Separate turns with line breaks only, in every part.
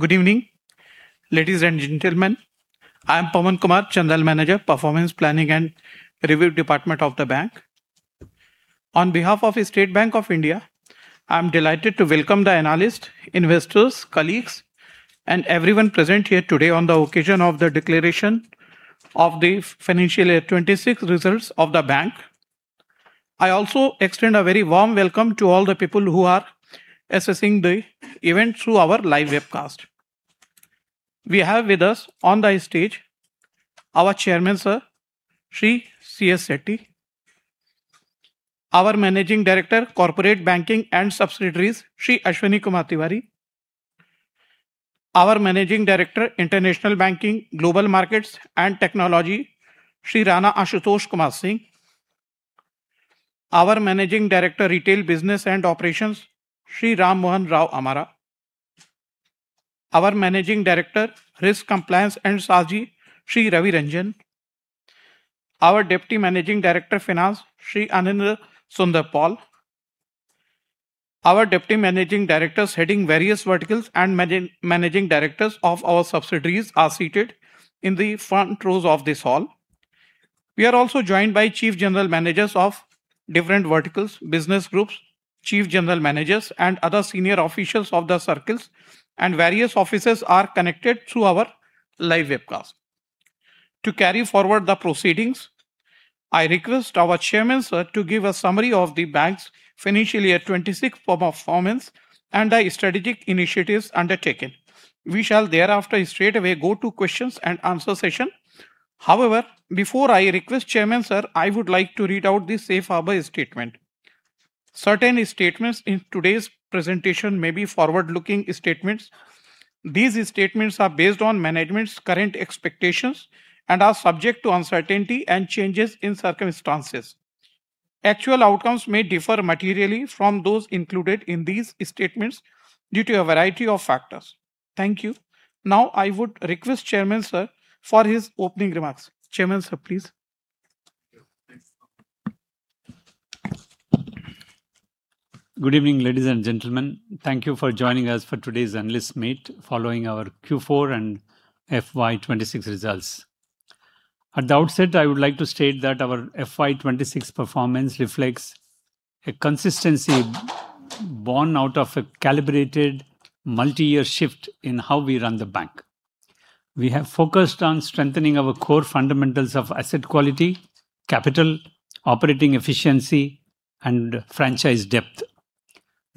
Good evening, ladies and gentlemen. I am Pawan Kumar, General Manager, Performance Planning and Review Department of the bank. On behalf of State Bank of India, I'm delighted to welcome the analysts, investors, colleagues, and everyone present here today on the occasion of the declaration of the financial year 2026 results of the bank. I also extend a very warm welcome to all the people who are assessing the event through our live webcast. We have with us on the stage our Chairman, sir, Shri C.S. Setty; our Managing Director, Corporate Banking and Subsidiaries, Shri Ashwini Kumar Tewari; our Managing Director, International Banking, Global Markets and Technology, Shri Rana Ashutosh Kumar Singh; our Managing Director, Retail Business and Operations, Shri Rama Mohan Rao Amara; our Managing Director, Risk Compliance and SARG, Shri Ravi Ranjan; our Deputy Managing Director, Finance, Shri Anindya Sunder Paul. Our Deputy Managing Directors heading various verticals and Managing Directors of our subsidiaries are seated in the front rows of this hall. We are also joined by Chief General Managers of different verticals, business groups, Chief General Managers, and other senior officials of the circles, and various officers are connected through our live webcast. To carry forward the proceedings, I request our Chairman, Sir, to give a summary of the bank's financial year 2026 performance and the strategic initiatives undertaken. We shall thereafter straightaway go to questions and answer session. Before I request Chairman, sir, I would like to read out the safe harbor statement. Certain statements in today's presentation may be forward-looking statements. These statements are based on management's current expectations and are subject to uncertainty and changes in circumstances. Actual outcomes may differ materially from those included in these statements due to a variety of factors. Thank you. I would request Chairman, sir, for his opening remarks. Chairman, sir, please.
Thank you. Good evening, ladies and gentlemen. Thank you for joining us for today's analyst meet following our Q4 and FY 2026 results. At the outset, I would like to state that our FY 2026 performance reflects a consistency born out of a calibrated multi-year shift in how we run the bank. We have focused on strengthening our core fundamentals of asset quality, capital, operating efficiency, and franchise depth.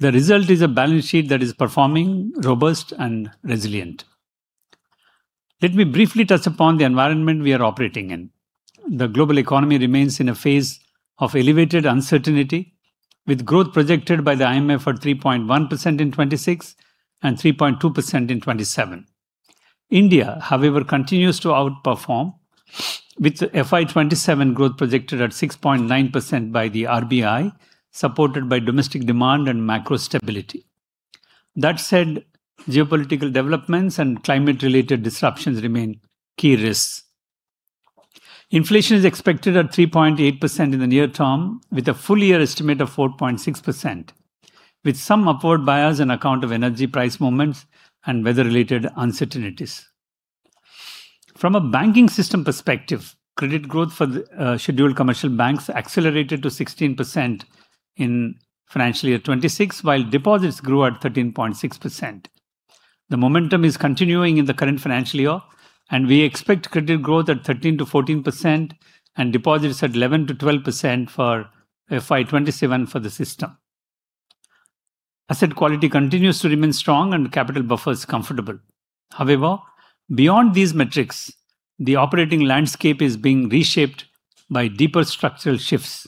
The result is a balance sheet that is performing robust and resilient. Let me briefly touch upon the environment we are operating in. The global economy remains in a phase of elevated uncertainty, with growth projected by the IMF at 3.1% in 2026 and 3.2% in 2027. India, however, continues to outperform, with FY 2027 growth projected at 6.9% by the RBI, supported by domestic demand and macro stability. That said, geopolitical developments and climate-related disruptions remain key risks. Inflation is expected at 3.8% in the near term, with a full-year estimate of 4.6%, with some upward bias on account of energy price movements and weather-related uncertainties. From a banking system perspective, credit growth for the scheduled commercial banks accelerated to 16% in financial year 2026, while deposits grew at 13.6%. The momentum is continuing in the current financial year, we expect credit growth at 13%-14% and deposits at 11%-12% for FY 2027 for the system. Asset quality continues to remain strong and capital buffers comfortable. Beyond these metrics, the operating landscape is being reshaped by deeper structural shifts.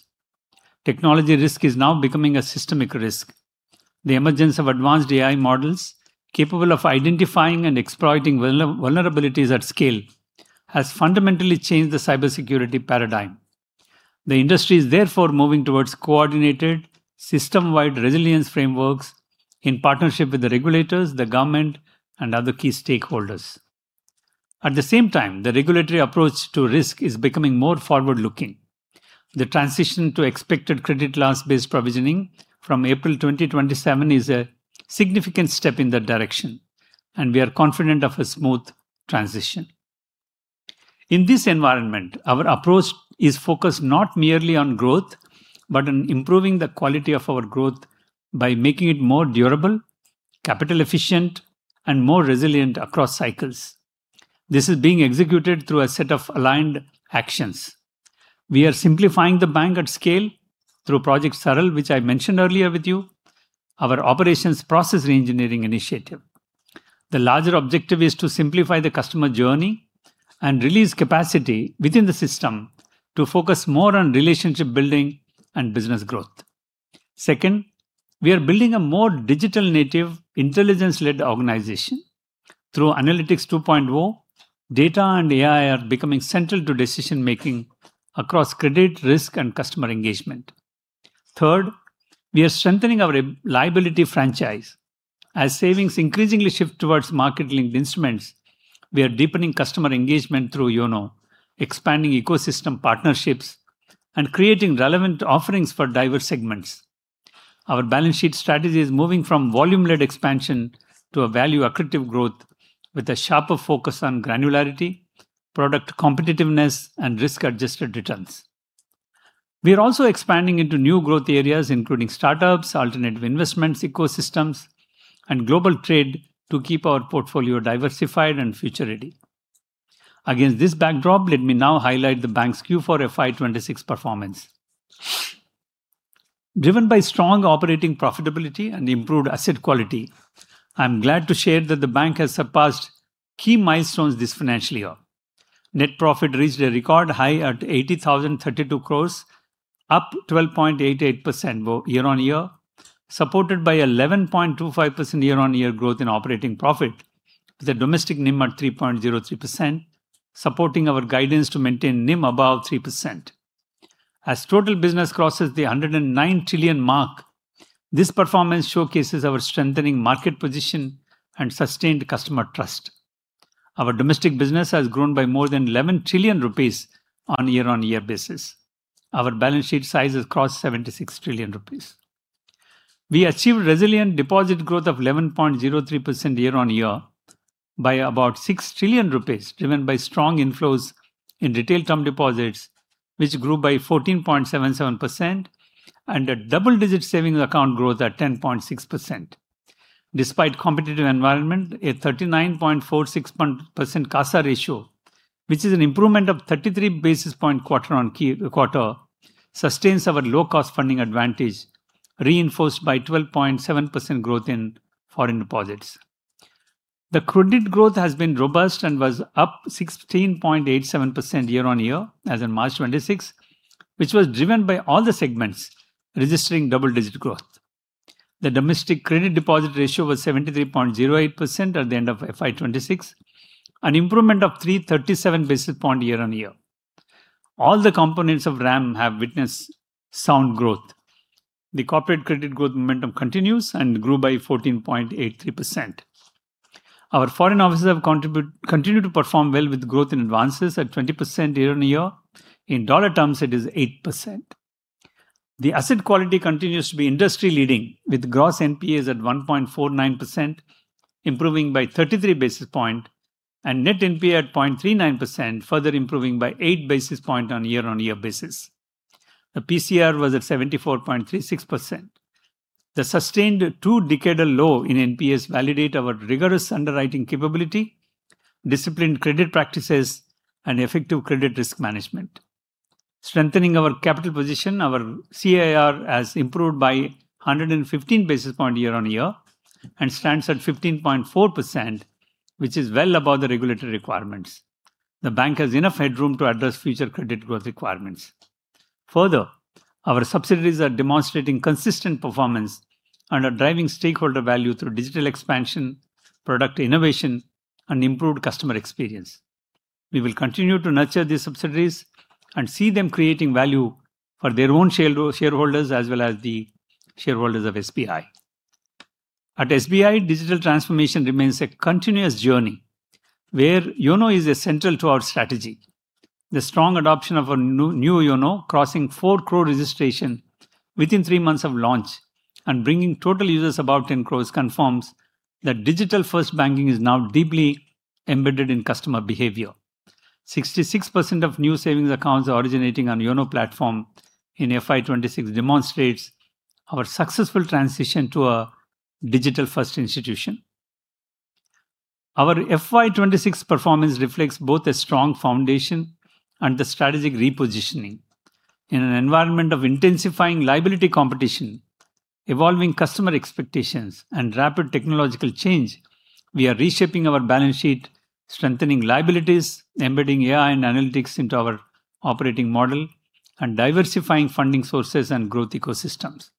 Technology risk is now becoming a systemic risk. The emergence of advanced AI models capable of identifying and exploiting vulnerabilities at scale has fundamentally changed the cybersecurity paradigm. The industry is therefore moving towards coordinated system-wide resilience frameworks in partnership with the regulators, the government, and other key stakeholders. At the same time, the regulatory approach to risk is becoming more forward-looking. The transition to expected credit loss-based provisioning from April 2027 is a significant step in that direction, and we are confident of a smooth transition. In this environment, our approach is focused not merely on growth, but on improving the quality of our growth by making it more durable, capital efficient, and more resilient across cycles. This is being executed through a set of aligned actions. We are simplifying the bank at scale through Project Saral, which I mentioned earlier with you, our operations process reengineering initiative. The larger objective is to simplify the customer journey and release capacity within the system to focus more on relationship building and business growth. Second, we are building a more digital-native, intelligence-led organization. Through Analytics 2.0, data and AI are becoming central to decision-making across credit risk and customer engagement. Third, we are strengthening our liability franchise. As savings increasingly shift towards market-linked instruments, we are deepening customer engagement through YONO, expanding ecosystem partnerships, and creating relevant offerings for diverse segments. Our balance sheet strategy is moving from volume-led expansion to a value accretive growth with a sharper focus on granularity, product competitiveness and risk-adjusted returns. We are also expanding into new growth areas, including startups, alternative investments, ecosystems, and global trade to keep our portfolio diversified and future-ready. Against this backdrop, let me now highlight the bank's Q4 FY 2026 performance. Driven by strong operating profitability and improved asset quality, I am glad to share that the bank has surpassed key milestones this financial year. Net profit reached a record high at 80,032 crore, up 12.88% year-on-year, supported by 11.25% year-on-year growth in operating profit, with a domestic NIM at 3.03%, supporting our guidance to maintain NIM above 3%. As total business crosses the 109 trillion mark, this performance showcases our strengthening market position and sustained customer trust. Our domestic business has grown by more than 11 trillion rupees on a year-on-year basis. Our balance sheet size has crossed 76 trillion rupees. We achieved resilient deposit growth of 11.03% year-on-year by about 6 trillion rupees, driven by strong inflows in retail term deposits, which grew by 14.77% and a double-digit savings account growth at 10.6%. Despite competitive environment, a 39.46% CASA ratio, which is an improvement of 33 basis points quarter-on-quarter, sustains our low cost funding advantage, reinforced by 12.7% growth in foreign deposits. The credit growth has been robust and was up 16.87% year-on-year as in March 26, which was driven by all the segments registering double-digit growth. The domestic credit deposit ratio was 73.08% at the end of FY 2026, an improvement of 337 basis points year-on-year. All the components of RAM have witnessed sound growth. The corporate credit growth momentum continues and grew by 14.83%. Our foreign offices have continued to perform well with growth in advances at 20% year-on-year. In dollar terms, it is 8%. The asset quality continues to be industry-leading, with gross NPAs at 1.49%, improving by 33 basis points, and net NPA at 0.39%, further improving by 8 basis points on year-on-year basis. The PCR was at 74.36%. The sustained two decadal low in NPAs validate our rigorous underwriting capability, disciplined credit practices and effective credit risk management. Strengthening our capital position, our CAR has improved by 115 basis points year-on-year and stands at 15.4%, which is well above the regulatory requirements. The bank has enough headroom to address future credit growth requirements. Further, our subsidiaries are demonstrating consistent performance and are driving stakeholder value through digital expansion, product innovation and improved customer experience. We will continue to nurture these subsidiaries and see them creating value for their own shareholders as well as the shareholders of SBI. At SBI, digital transformation remains a continuous journey, where YONO is essential to our strategy. The strong adoption of our new YONO, crossing 4 crore registration within three months of launch and bringing total users above 10 crore confirms that digital-first banking is now deeply embedded in customer behavior. 66% of new savings accounts originating on YONO platform in FY 2026 demonstrates our successful transition to a digital-first institution. Our FY 2026 performance reflects both a strong foundation and the strategic repositioning. In an environment of intensifying liability competition, evolving customer expectations, and rapid technological change, we are reshaping our balance sheet, strengthening liabilities, embedding AI and analytics into our operating model, and diversifying funding sources and growth ecosystems.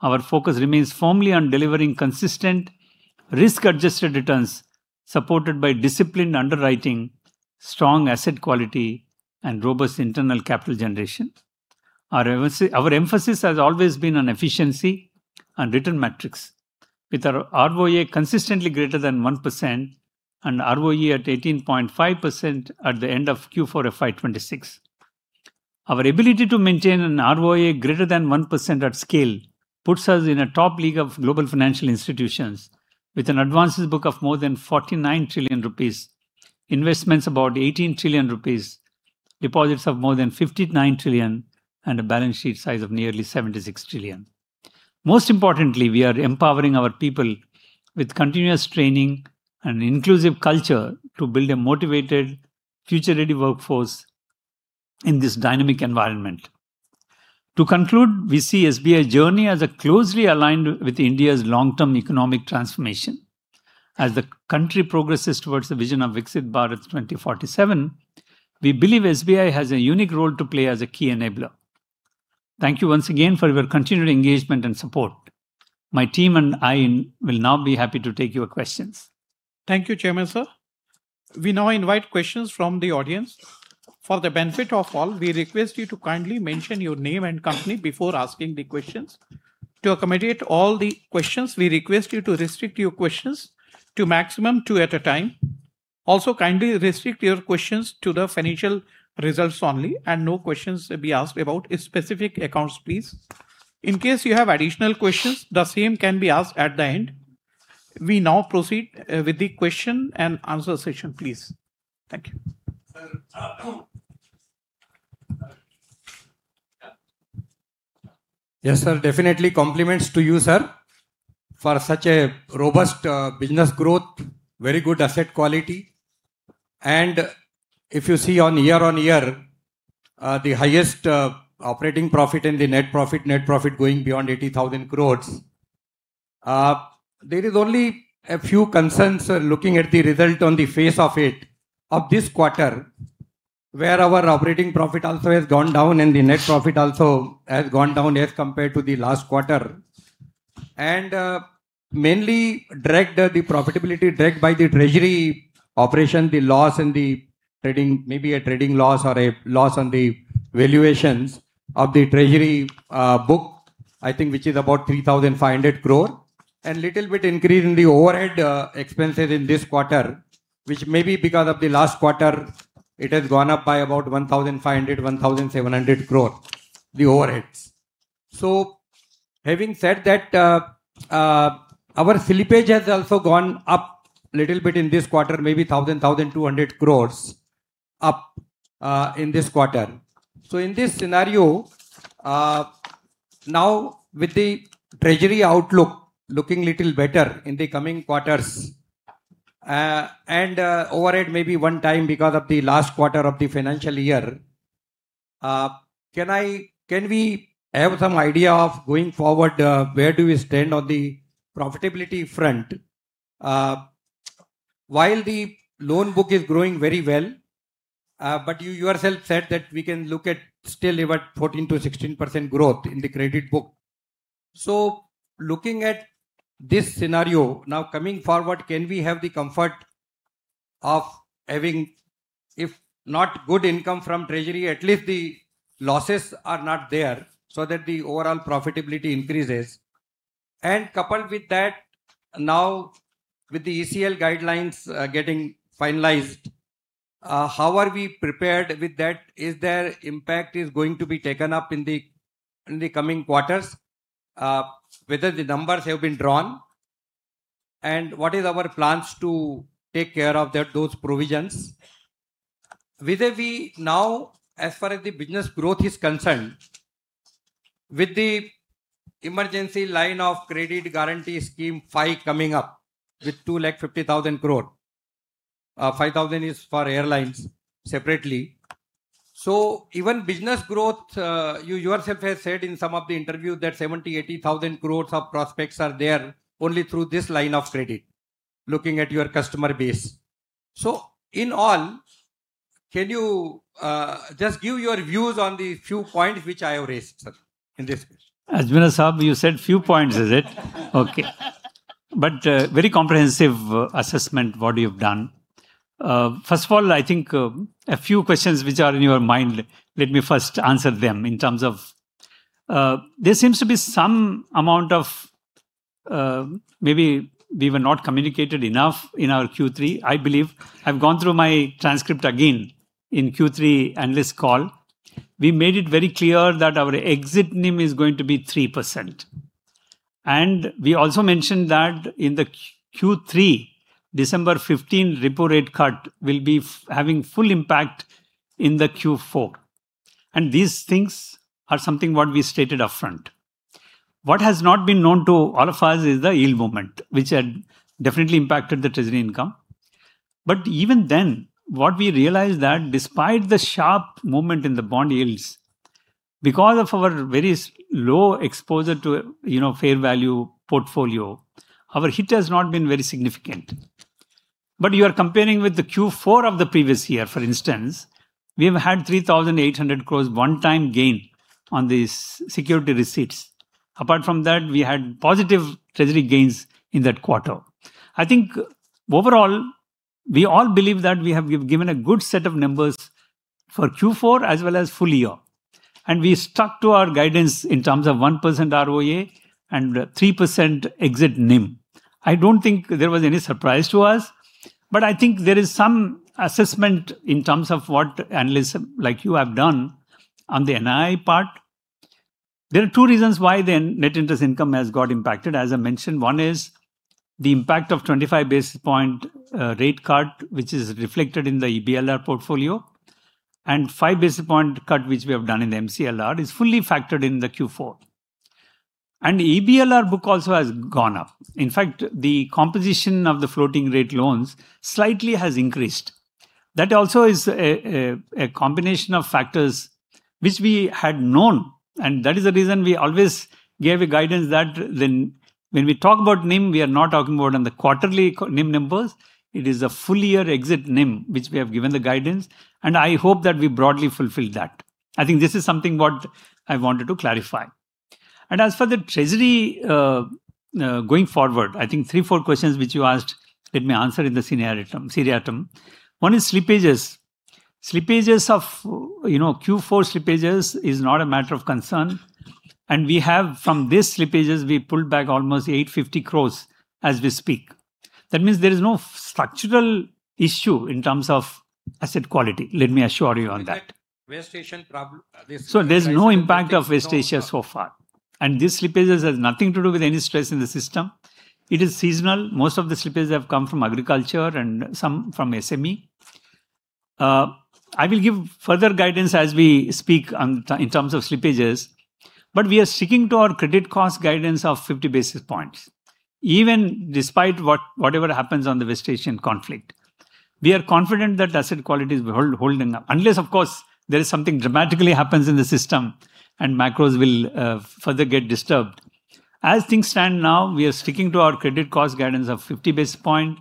Our focus remains firmly on delivering consistent risk-adjusted returns, supported by disciplined underwriting, strong asset quality, and robust internal capital generation. Our emphasis has always been on efficiency and return metrics, with our ROA consistently greater than 1% and ROE at 18.5% at the end of Q4 FY 2026. Our ability to maintain an ROA greater than 1% at scale puts us in a top league of global financial institutions with an advances book of more than 49 trillion rupees, investments about 18 trillion rupees, deposits of more than 59 trillion, and a balance sheet size of nearly 76 trillion. Most importantly, we are empowering our people with continuous training and inclusive culture to build a motivated, future-ready workforce in this dynamic environment. To conclude, we see SBI journey as a closely aligned with India's long-term economic transformation. As the country progresses towards the vision of Viksit Bharat 2047, we believe SBI has a unique role to play as a key enabler. Thank you once again for your continued engagement and support. My team and I will now be happy to take your questions.
Thank you, Chairman, sir. We now invite questions from the audience. For the benefit of all, we request you to kindly mention your name and company before asking the questions. To accommodate all the questions, we request you to restrict your questions to maximum two at a time. Kindly restrict your questions to the financial results only and no questions to be asked about specific accounts, please. In case you have additional questions, the same can be asked at the end. We now proceed with the question-and-answer session, please. Thank you.
Sir, yes, sir. Definitely compliments to you, sir, for such a robust business growth, very good asset quality. If you see on year-over-year, the highest operating profit and the net profit going beyond 80,000 crore. There is only a few concerns, sir, looking at the result on the face of it, of this quarter, where our operating profit also has gone down and the net profit also has gone down as compared to the last quarter. Mainly dragged the profitability, dragged by the treasury operation, the loss in the trading, maybe a trading loss or a loss on the valuations of the treasury book I think, which is about 3,500 crore. Little bit increase in the overhead expenses in this quarter, which may be because of the last quarter, it has gone up by about 1,500 crore-1,700 crore, the overheads. Having said that, our slippage has also gone up little bit in this quarter, maybe 1,000 crore-1,200 crore up in this quarter. In this scenario, now with the treasury outlook looking little better in the coming quarters, and overhead maybe one time because of the last quarter of the financial year, can we have some idea of going forward, where do we stand on the profitability front? While the loan book is growing very well, you yourself said that we can look at still about 14%-16% growth in the credit book. Looking at this scenario, now coming forward, can we have the comfort of having, if not good income from treasury, at least the losses are not there so that the overall profitability increases? Coupled with that, now with the ECL guidelines getting finalized, how are we prepared with that? Is their impact is going to be taken up in the coming quarters? Whether the numbers have been drawn, and what is our plans to take care of that, those provisions? Vis-à-vis now, as far as the business growth is concerned, with the Emergency Line of Credit Guarantee Scheme 5 coming up with 250,000 crore, 5,000 crore is for airlines separately. Even business growth, you yourself have said in some of the interviews that 70,000 crore-80,000 crore of prospects are there only through this line of credit, looking at your customer base. In all, can you just give your views on the few points which I have raised, sir, in this question?
Ajmera Saab, you said few points, is it? Okay. very comprehensive assessment what you've done. First of all, I think a few questions which are in your mind, let me first answer them in terms of there seems to be some amount of maybe we were not communicated enough in our Q3, I believe. I've gone through my transcript again in Q3 analyst call. We made it very clear that our exit NIM is going to be 3%. We also mentioned that in the Q3, December 15 repo rate cut will be having full impact in the Q4. These things are something what we stated upfront. What has not been known to all of us is the yield movement, which had definitely impacted the treasury income. Even then, what we realized that despite the sharp movement in the bond yields, because of our very low exposure to, you know, fair value portfolio, our hit has not been very significant. You are comparing with the Q4 of the previous year, for instance. We have had 3,800 crores one-time gain on these security receipts. Apart from that, we had positive treasury gains in that quarter. I think overall, we all believe that we have given a good set of numbers for Q4 as well as full-year. We stuck to our guidance in terms of 1% ROA and 3% exit NIM. I don't think there was any surprise to us, but I think there is some assessment in terms of what analysts like you have done on the NII part. There are two reasons why the net interest income has got impacted. As I mentioned, one is the impact of 25 basis points rate cut, which is reflected in the EBLR portfolio, and 5 basis points cut, which we have done in the MCLR, is fully factored in the Q4. EBLR book also has gone up. In fact, the composition of the floating rate loans slightly has increased. That also is a combination of factors which we had known, and that is the reason we always gave a guidance that then when we talk about NIM, we are not talking about on the quarterly NIM numbers. It is a full-year exit NIM, which we have given the guidance, and I hope that we broadly fulfill that. I think this is something what I wanted to clarify. As for the treasury, going forward, I think three, four questions which you asked, let me answer in seriatim. One is slippages of, you know, Q4 slippages is not a matter of concern. We have, from these slippages, we pulled back almost 850 crores as we speak. That means there is no structural issue in terms of asset quality, let me assure you on that.
Is that West Asian problem, this crisis?
There's no impact of West Asia so far. These slippages has nothing to do with any stress in the system. It is seasonal. Most of the slippages have come from agriculture and some from SME. I will give further guidance as we speak on, in terms of slippages, but we are sticking to our credit cost guidance of 50 basis points, even despite whatever happens on the West Asian conflict. We are confident that asset quality is holding up. Unless, of course, there is something dramatically happens in the system and macros will further get disturbed. As things stand now, we are sticking to our credit cost guidance of 50 basis point,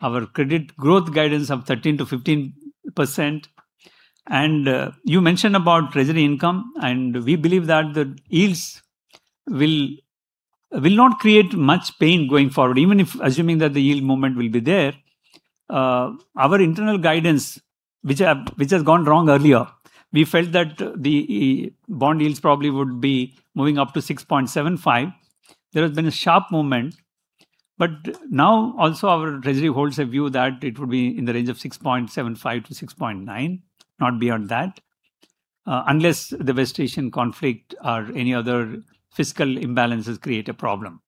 our credit growth guidance of 13%-15%. You mentioned about treasury income, and we believe that the yields will not create much pain going forward, even if assuming that the yield movement will be there. Our internal guidance, which has gone wrong earlier, we felt that the bond yields probably would be moving up to 6.75%. There has been a sharp movement, now also our treasury holds a view that it would be in the range of 6.75%-6.9%, not beyond that, unless the West Asian conflict or any other fiscal imbalances create a problem.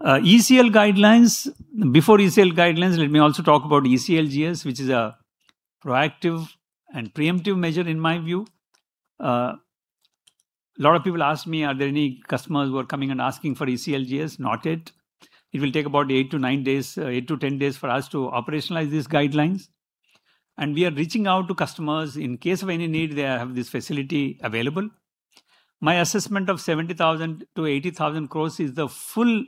ECL guidelines. Before ECL guidelines, let me also talk about ECLGS, which is a proactive and preemptive measure in my view. A lot of people ask me, are there any customers who are coming and asking for ECLGS. Not yet. It will take about eight to nine days, eight to 10 days for us to operationalize these guidelines. We are reaching out to customers in case of any need, they have this facility available. My assessment of 70,000 crore-80,000 crore is the full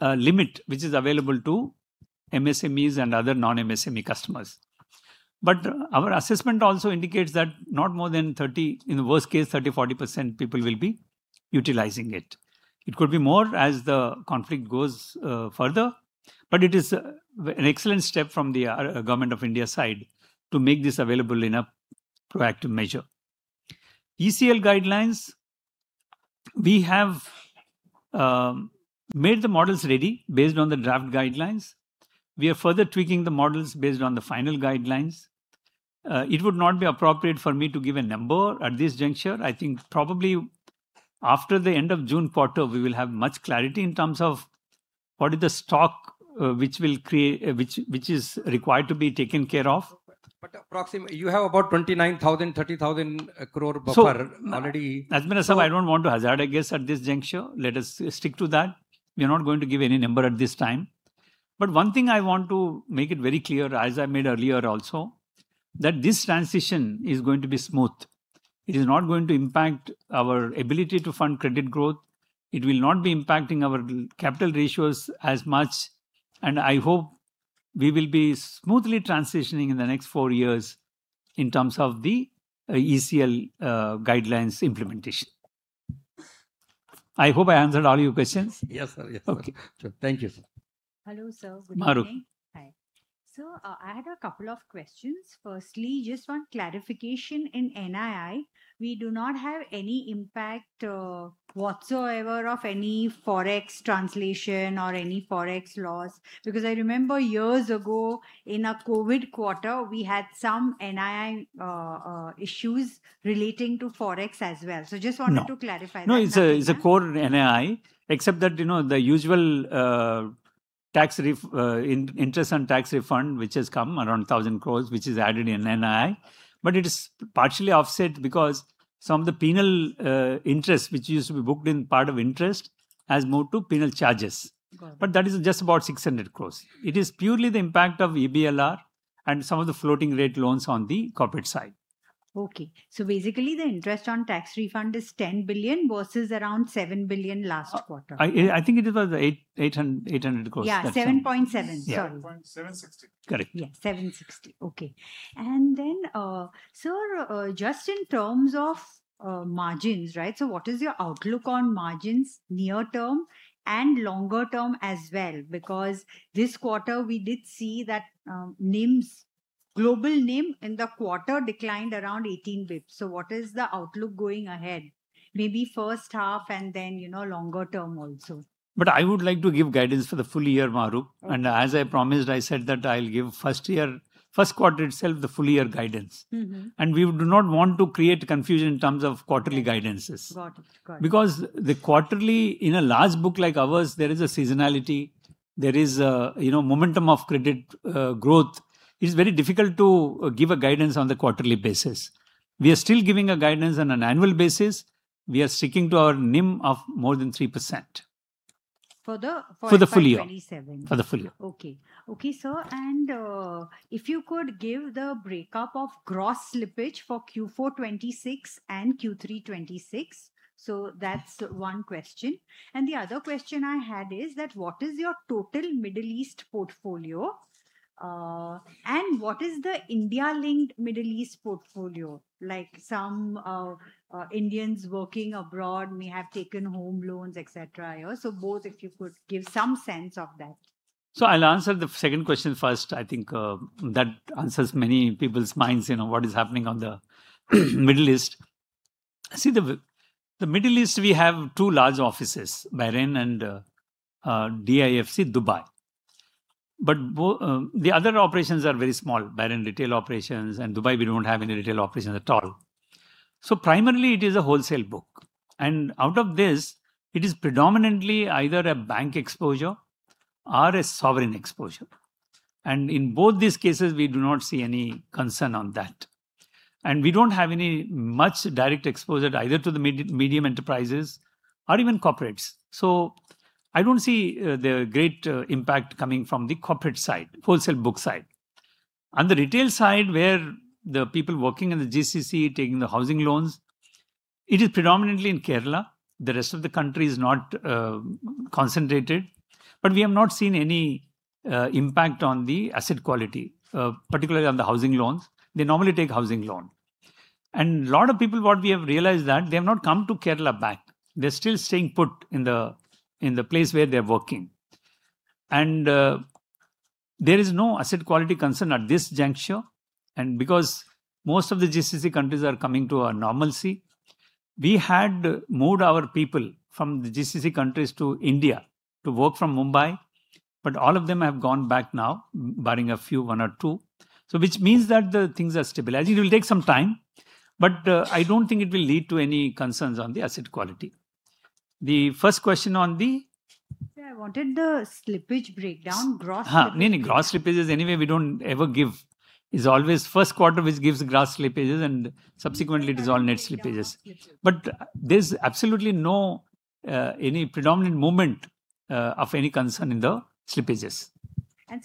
limit which is available to MSMEs and other non-MSME customers. Our assessment also indicates that not more than 30%, in the worst case, 30%-40% people will be utilizing it. It could be more as the conflict goes further, but it is an excellent step from the Government of India side to make this available in a proactive measure. ECL guidelines. We have made the models ready based on the draft guidelines. We are further tweaking the models based on the final guidelines. It would not be appropriate for me to give a number at this juncture. I think probably after the end of June quarter, we will have much clarity in terms of what is the stock, which will create, which is required to be taken care of.
Approximately, you have about 29,000 crore, 30,000 crore buffer already.
Ajmera sir, I don't want to hazard a guess at this juncture. Let us stick to that. We are not going to give any number at this time. One thing I want to make it very clear, as I made earlier also, that this transition is going to be smooth. It is not going to impact our ability to fund credit growth. It will not be impacting our capital ratios as much, and I hope we will be smoothly transitioning in the next four years in terms of the ECL guidelines implementation. I hope I answered all your questions.
Yes, sir. Yes, sir.
Okay.
Thank you, sir.
Hello, sir. Good evening.
Mahrukh.
Hi. Sir, I had a couple of questions. Firstly, just one clarification. In NII, we do not have any impact whatsoever of any forex translation or any forex loss? Because I remember years ago in a COVID quarter, we had some NII issues relating to forex as well. Just wanted to clarify that.
No. It's a core NII, except that, you know, the usual interest on tax refund, which has come around 1,000 crores, which is added in NII. It is partially offset because some of the penal interest, which used to be booked in part of interest, has moved to penal charges.
Got it.
That is just about 600 crores. It is purely the impact of EBLR and some of the floating rate loans on the corporate side.
Okay. Basically the interest on tax refund is 10 billion versus around 7 billion last quarter.
I think it was 800 crores. That's it.
Yeah, 7.7 billion. Sorry.
7.60 billion.
Correct.
Yeah, 7.60 billion. Okay. Sir, just in terms of margins, right? What is your outlook on margins near term and longer term as well? Because this quarter we did see that NIMs, global NIM in the quarter declined around 18 basis points. What is the outlook going ahead? Maybe first half and then, you know, longer term also.
I would like to give guidance for the full-year, Mahrukh.
Okay.
As I promised, I said that I'll give first year, first quarter itself the full-year guidance. We do not want to create confusion in terms of quarterly guidances.
Got it. Got it.
The quarterly, in a large book like ours, there is a seasonality. There is, you know, momentum of credit growth. It is very difficult to give a guidance on the quarterly basis. We are still giving a guidance on an annual basis. We are sticking to our NIM of more than 3%.
For the FY 2027.
For the full-year.
Okay. Okay, sir. If you could give the breakup of gross slippage for Q4 2026 and Q3 2026. That's one question. The other question I had is that what is your total Middle East portfolio? And what is the India-linked Middle East portfolio? Like some Indians working abroad may have taken home loans, et cetera. Both, if you could give some sense of that.
I'll answer the second question first. I think that answers many people's minds, you know, what is happening on the Middle East. See, the Middle East, we have two large offices, Bahrain and DIFC, Dubai. The other operations are very small. Bahrain, retail operations, and Dubai we don't have any retail operations at all. Primarily it is a wholesale book, and out of this it is predominantly either a bank exposure or a sovereign exposure. In both these cases, we do not see any concern on that. We don't have any much direct exposure either to the medium enterprises or even corporates. I don't see the great impact coming from the corporate side, wholesale book side. On the retail side, where the people working in the GCC taking the housing loans, it is predominantly in Kerala. The rest of the country is not concentrated, but we have not seen any impact on the asset quality, particularly on the housing loans. They normally take housing loan. A lot of people, what we have realized that they have not come to Kerala back. They're still staying put in the place where they're working. There is no asset quality concern at this juncture, and because most of the GCC countries are coming to a normalcy. We had moved our people from the GCC countries to India to work from Mumbai, but all of them have gone back now, barring a few, one or two. Which means that the things are stabilizing. It will take some time, but I don't think it will lead to any concerns on the asset quality. The first question on the?
Sir, I wanted the slippage breakdown, gross slippage.
NIM, gross slippage is anyway we don't ever give. It is always the first quarter which gives gross slippages. Subsequently, it is all net slippages.
Net slippage, yeah, net slippage.
There's absolutely no any predominant movement of any concern in the slippages.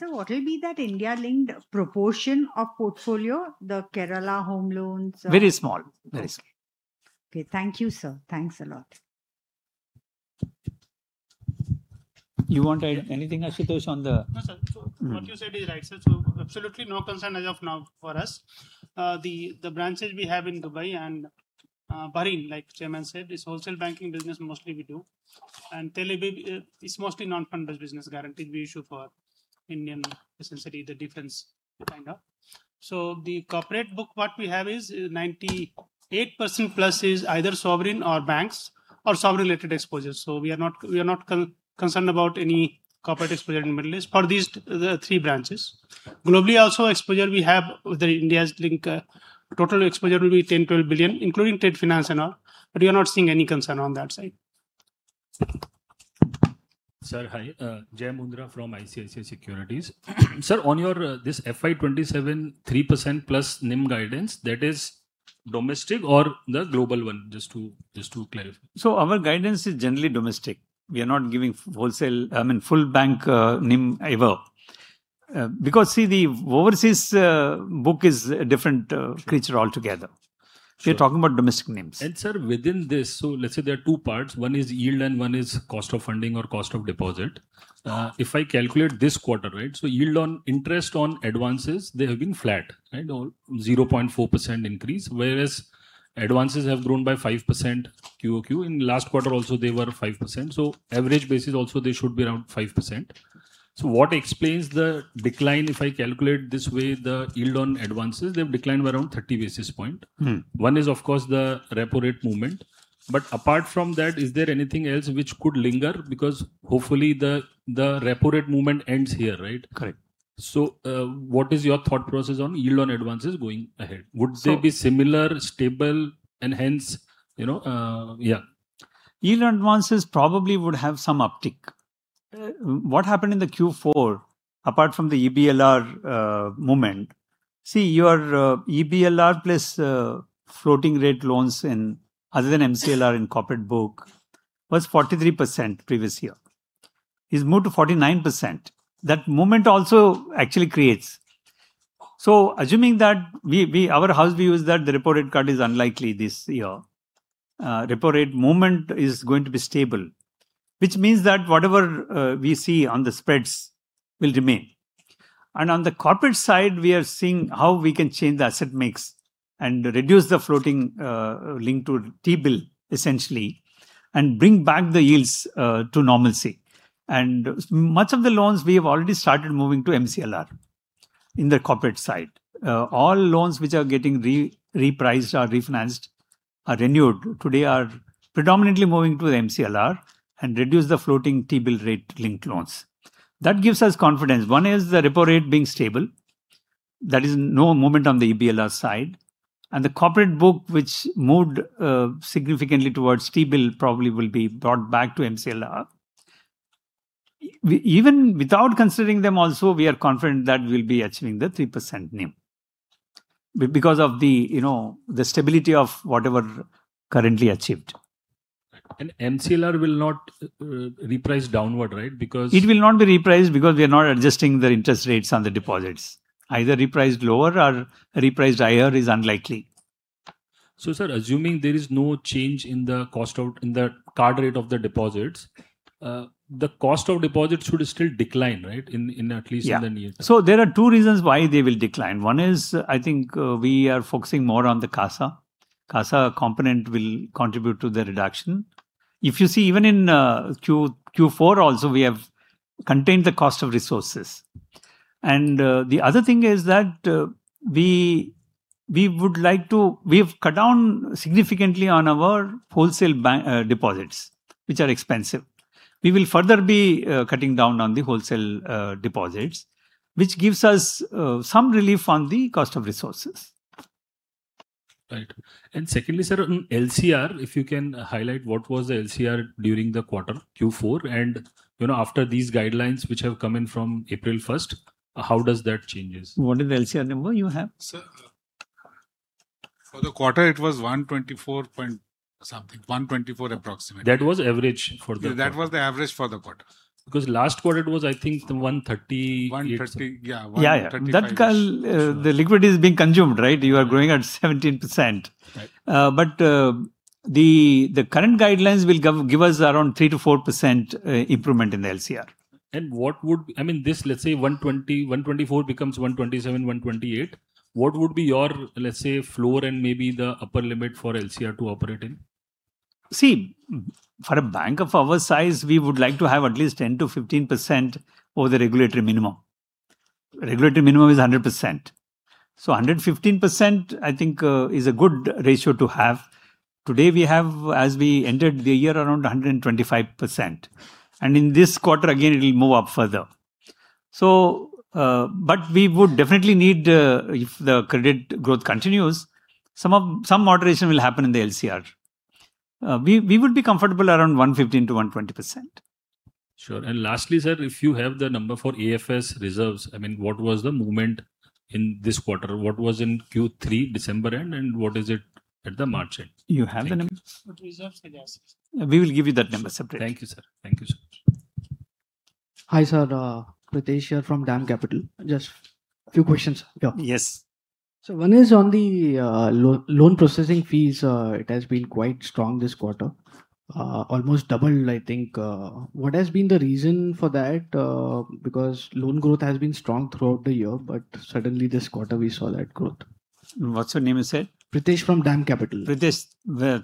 What will be that India-linked proportion of portfolio, the Kerala home loans?
Very small. Very small.
Okay. Thank you, sir. Thanks a lot.
You want to add anything, Ashutosh?
No, sir. What you said is right, sir. Absolutely no concern as of now for us. The branches we have in Dubai and Bahrain, like Chairman said, is wholesale banking business mostly we do. Tel Aviv, it's mostly non-funded business, guaranteed we issue for Indian essentially the defense kind of. The corporate book, what we have is 98%+ is either sovereign or banks or sovereign related exposures. We are not concerned about any corporate exposure in Middle East for these, the three branches. Globally also, exposure we have with the India's link, total exposure will be 10 billion, 12 billion, including trade finance and all, we are not seeing any concern on that side.
Sir, hi. Jai Mundhra from ICICI Securities. Sir, on your this FY 2027, 3%+ NIM guidance, that is domestic or the global one? Just to clarify.
Our guidance is generally domestic. We are not giving wholesale, I mean, full bank, NIM ever. Because, see, the overseas book is a different creature altogether.
Sure.
We're talking about domestic NIMs.
Sir, within this, let's say there are two parts. One is yield and one is cost of funding or cost of deposit. If I calculate this quarter, right? Yield on interest on advances, they have been flat, right or 0.4% increase. Whereas advances have grown by 5% QoQ. In last quarter also they were 5%, so average basis also they should be around 5%. What explains the decline, if I calculate this way, the yield on advances? They have declined by around 30 basis points. One is, of course, the repo rate movement. Apart from that, is there anything else which could linger? Hopefully the repo rate movement ends here, right?
Correct.
What is your thought process on yield on advances going ahead? Would they be similar, stable, and hence, you know, yeah.
Yield on advances probably would have some uptick. What happened in the Q4, apart from the EBLR movement, EBLR plus floating rate loans in other than MCLR in corporate book was 43% previous year. It's moved to 49%. That movement also actually creates. Assuming that our house view is that the repo rate cut is unlikely this year. Repo rate movement is going to be stable, which means that whatever we see on the spreads will remain. On the corporate side, we are seeing how we can change the asset mix and reduce the floating link to T-bill essentially, and bring back the yields to normalcy. Much of the loans we have already started moving to MCLR in the corporate side. All loans which are getting re-repriced or refinanced are renewed. Today are predominantly moving to MCLR and reduce the floating T-bill rate linked loans. That gives us confidence. One is the repo rate being stable. There is no movement on the EBLR side. The corporate book, which moved significantly towards T-bill, probably will be brought back to MCLR. Even without considering them also, we are confident that we'll be achieving the 3% NIM. Because of the, you know, the stability of whatever currently achieved.
MCLR will not reprice downward, right?
It will not be repriced because we are not adjusting the interest rates on the deposits. Either repriced lower or repriced higher is unlikely.
Sir, assuming there is no change in the cost out, in the card rate of the deposits, the cost of deposits should still decline, right? In at least in the near term.
Yeah. There are two reasons why they will decline. One is, I think, we are focusing more on the CASA. CASA component will contribute to the reduction. If you see even in Q4 also, we have contained the cost of resources. The other thing is that we've cut down significantly on our wholesale deposits, which are expensive. We will further be cutting down on the wholesale deposits, which gives us some relief on the cost of resources.
Right. Secondly, sir, on LCR, if you can highlight what was the LCR during the quarter, Q4, and you know, after these guidelines which have come in from April 1st, how does that changes?
What is the LCR number you have?
Sir, for the quarter it was 124% point something. 124% approximately.
That was average for the quarter.
That was the average for the quarter.
Last quarter it was, I think, 138%-
130%, yeah, 135%.
That's because the liquidity is being consumed, right? You are growing at 17%.
Right.
The current guidelines will give us around 3%-4% improvement in the LCR.
What would I mean, this, let's say, 120%, 124% becomes 127%, 128%. What would be your, let's say, floor and maybe the upper limit for LCR to operate in?
For a bank of our size, we would like to have at least 10%-15% over the regulatory minimum. Regulatory minimum is 100%. 115%, I think, is a good ratio to have. Today, we have, as we entered the year, around 125%, and in this quarter, again, it will move up further. But we would definitely need, if the credit growth continues, some moderation will happen in the LCR. We would be comfortable around 115%-120%.
Sure. Lastly, sir, if you have the number for AFS reserves, I mean, what was the movement in this quarter? What was in Q3, December end, and what is it at the March end?
You have the number?
What reserves? AFS.
We will give you that number separately.
Thank you, sir. Thank you so much.
Hi, sir. Pritesh here from DAM Capital. Just few questions.
Yeah. Yes.
One is on the loan processing fees. It has been quite strong this quarter, almost doubled, I think. What has been the reason for that? Because loan growth has been strong throughout the year, but suddenly this quarter we saw that growth.
What's your name you said?
Pritesh from DAM Capital.
Pritesh,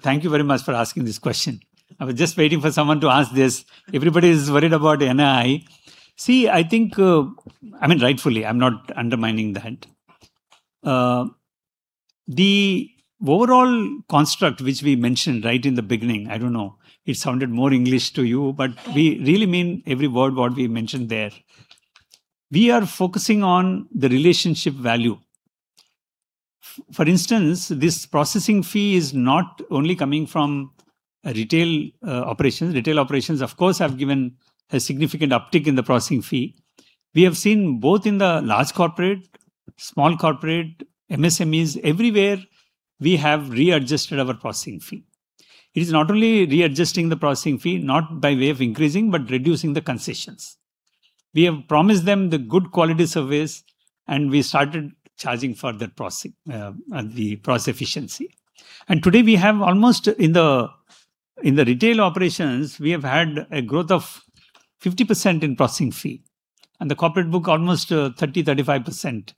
thank you very much for asking this question. I was just waiting for someone to ask this. Everybody is worried about NII. I think, I mean, rightfully, I'm not undermining that. The overall construct, which we mentioned right in the beginning, I don't know, it sounded more English to you, but we really mean every word what we mentioned there. We are focusing on the relationship value. For instance, this processing fee is not only coming from retail operations. Retail operations, of course, have given a significant uptick in the processing fee. We have seen both in the large corporate, small corporate, MSMEs, everywhere, we have readjusted our processing fee. It is not only readjusting the processing fee, not by way of increasing, but reducing the concessions. We have promised them the good quality service, and we started charging for that processing, the process efficiency. Today, we have almost, in the retail operations, we have had a growth of 50% in processing fee, and the corporate book almost 30%-35%.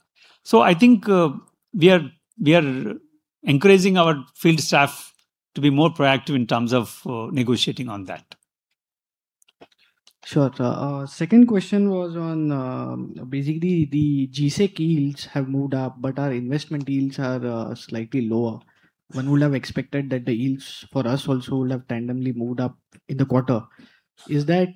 I think, we are encouraging our field staff to be more proactive in terms of negotiating on that.
Sure. Second question was on basically the G-sec yields have moved up, but our investment yields are slightly lower. One would have expected that the yields for us also would have randomly moved up in the quarter. Is that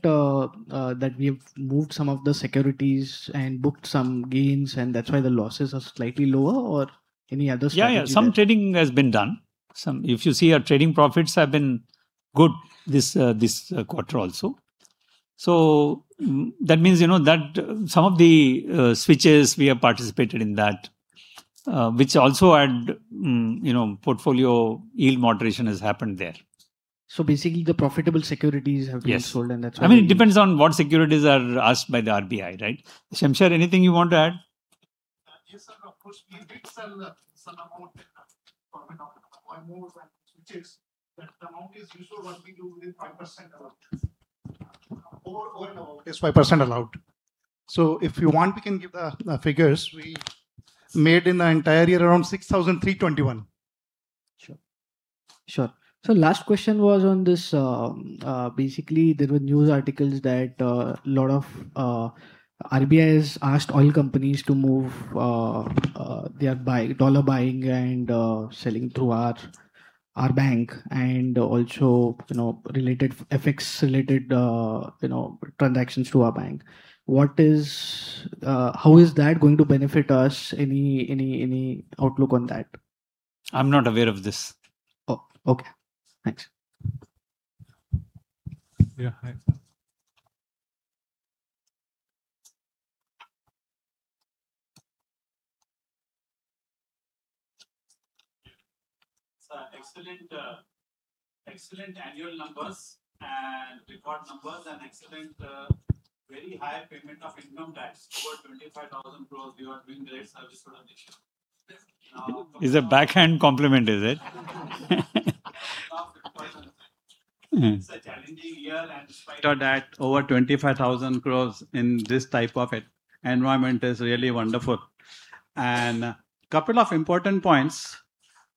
we have moved some of the securities and booked some gains, and that's why the losses are slightly lower or any other strategy there?
Yeah, yeah. Some trading has been done. If you see our trading profits have been good this quarter also. That means, you know, that some of the switches we have participated in that, which also had, you know, portfolio yield moderation has happened there.
So basically, the profitable securities have been-
Yes.
Sold, that's why.
I mean, it depends on what securities are asked by the RBI, right? Shamsher, anything you want to add?
Yes, sir. Of course, we did sell, some amount, for, you know, more than switches, but the amount is usually what we do is 5% allowed. Over and above is 5% allowed. If you want, we can give the figures. We made in the entire year around 6,321 crore.
Sure. Sure. Last question was on this, basically, there were news articles that a lot of RBI has asked oil companies to move their dollar buying and selling through our bank and also, you know, related, FX related, you know, transactions through our bank. How is that going to benefit us? Any outlook on that?
I'm not aware of this.
Oh, okay. Thanks.
Yeah. Hi. Sir, excellent annual numbers and record numbers and excellent, very high payment of income-
It's a backhand compliment, is it?
It's a challenging year. In spite of that, over 25,000 crore in this type of environment is really wonderful. Couple of important points.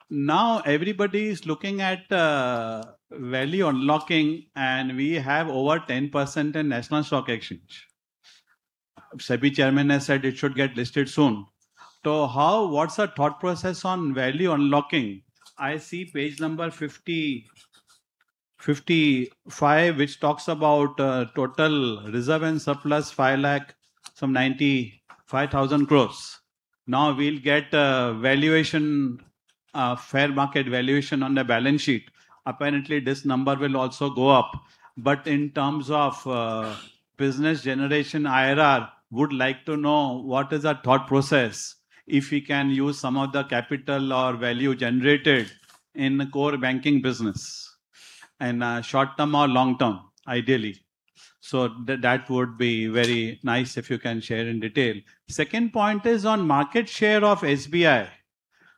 Now everybody is looking at value unlocking, and we have over 10% in National Stock Exchange. SEBI chairman has said it should get listed soon. What's our thought process on value unlocking? I see page number 50, 55, which talks about total reserve and surplus 5,95,000 crore. Now we'll get a valuation, fair market valuation on the balance sheet. Apparently, this number will also go up. In terms of business generation IRR, would like to know what is our thought process, if we can use some of the capital or value generated in the core banking business, and short-term or long-term, ideally. That would be very nice if you can share in detail. Second point is on market share of SBI.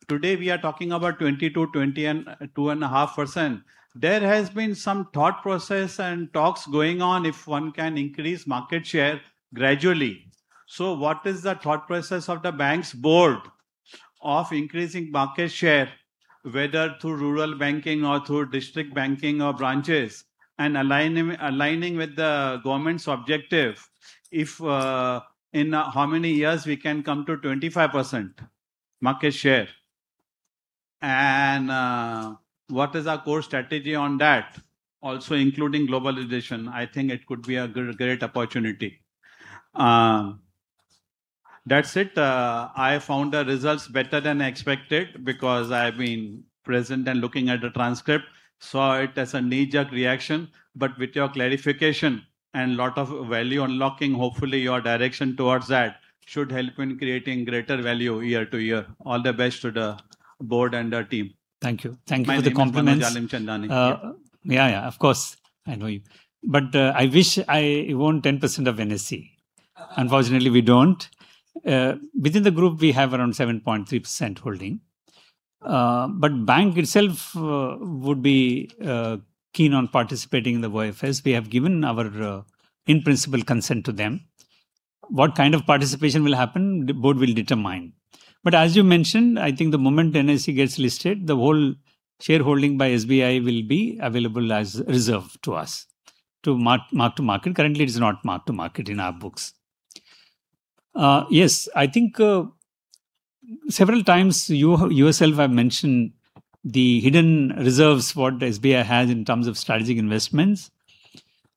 Today, we are talking about 20% to 20% and 2.5%. There has been some thought process and talks going on if one can increase market share gradually. What is the thought process of the bank's board of increasing market share, whether through rural banking or through district banking or branches, and aligning with the government's objective, if in how many years we can come to 25% market share? What is our core strategy on that? Also, including global edition, I think it could be a great opportunity. That's it. I found the results better than expected because I've been present and looking at the transcript, saw it as a knee-jerk reaction. With your clarification and lot of value unlocking, hopefully, your direction towards that should help in creating greater value year-to-year. All the best to the board and the team.
Thank you. Thank you for the compliments.
My name is [Jalim Chandnani].
Yeah, yeah, of course. I know you. I wish I owned 10% of NSE. Unfortunately, we don't. Within the group, we have around 7.3% holding. Bank itself would be keen on participating in the OFS. We have given our in-principle consent to them. What kind of participation will happen, the board will determine. As you mentioned, I think the moment NSE gets listed, the whole shareholding by SBI will be available as reserve to us to mark to market. Currently, it is not mark to market in our books. Yes, I think several times you yourself have mentioned the hidden reserves, what SBI has in terms of strategic investments.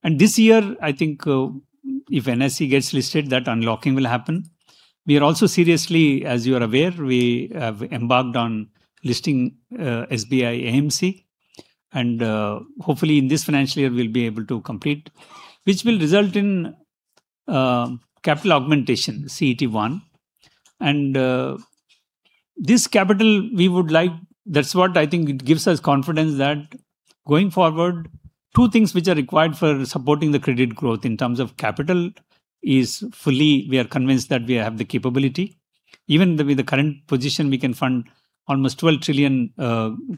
This year, I think, if NSE gets listed, that unlocking will happen. We are also seriously, as you are aware, we have embarked on listing SBI AMC, and hopefully, in this financial year, we'll be able to complete, which will result in capital augmentation, CET1. That's what I think it gives us confidence that going forward, two things which are required for supporting the credit growth in terms of capital is fully, we are convinced that we have the capability. Even with the current position, we can fund almost 12 trillion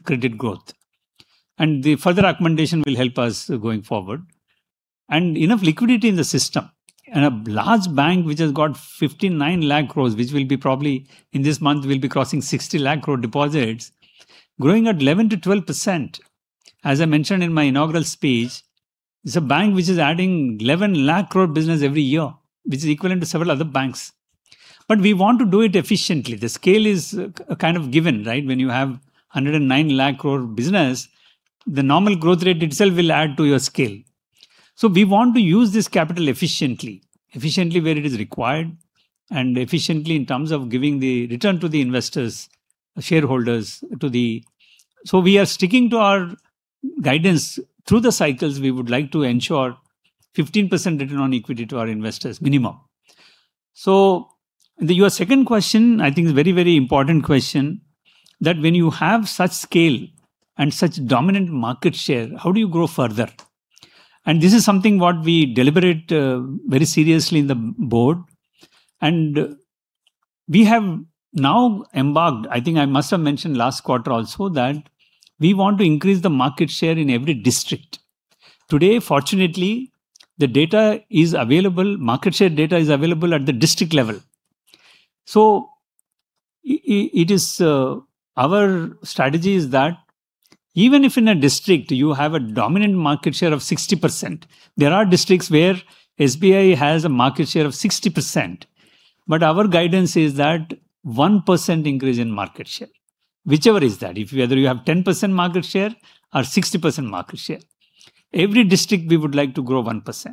credit growth. The further augmentation will help us going forward. Enough liquidity in the system and a large bank which has got 59 lakh crore, which will probably, in this month, be crossing 60 lakh crore deposits, growing at 11%-12%. As I mentioned in my inaugural speech, it's a bank which is adding 11 lakh crore business every year, which is equivalent to several other banks. We want to do it efficiently. The scale is kind of given, right? When you have 109 lakh crore business, the normal growth rate itself will add to your scale. We want to use this capital efficiently where it is required, and efficiently in terms of giving the return to the investors, shareholders. We are sticking to our guidance. Through the cycles, we would like to ensure 15% return on equity to our investors minimum. Your second question, I think, is very, very important question, that when you have such scale and such dominant market share, how do you grow further? This is something what we deliberate very seriously in the board, and we have now embarked, I think I must have mentioned last quarter also that we want to increase the market share in every district. Today, fortunately, the data is available, market share data is available at the district level. Our strategy is that even if in a district you have a dominant market share of 60%, there are districts where SBI has a market share of 60%, but our guidance is that 1% increase in market share, whichever is that. If whether you have 10% market share or 60% market share, every district we would like to grow 1%.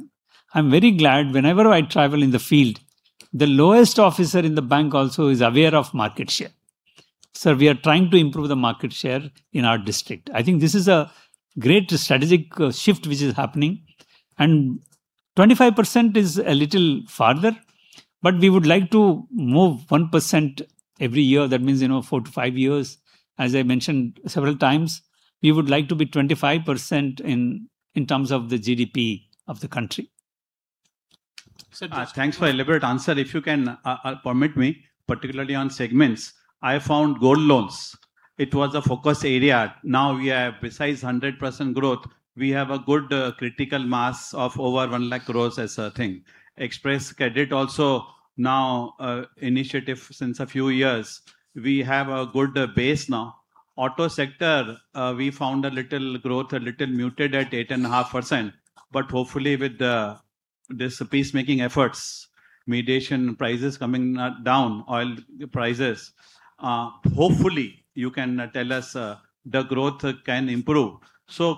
I'm very glad whenever I travel in the field, the lowest officer in the bank also is aware of market share. Sir, we are trying to improve the market share in our district. I think this is a great strategic shift which is happening, and 25% is a little farther, but we would like to move 1% every year. That means, you know, four to five years, as I mentioned several times, we would like to be 25% in terms of the GDP of the country.
Thanks for elaborate answer. If you can permit me, particularly on segments, I found gold loans. It was a focus area. Now we have precise 100% growth. We have a good critical mass of over 1 lakh crores as a thing. Express credit also now initiative since a few years. We have a good base now. Auto sector, we found a little growth, a little muted at 8.5%, but hopefully with the this peacemaking efforts, mediation prices coming down, oil prices, hopefully you can tell us, the growth can improve.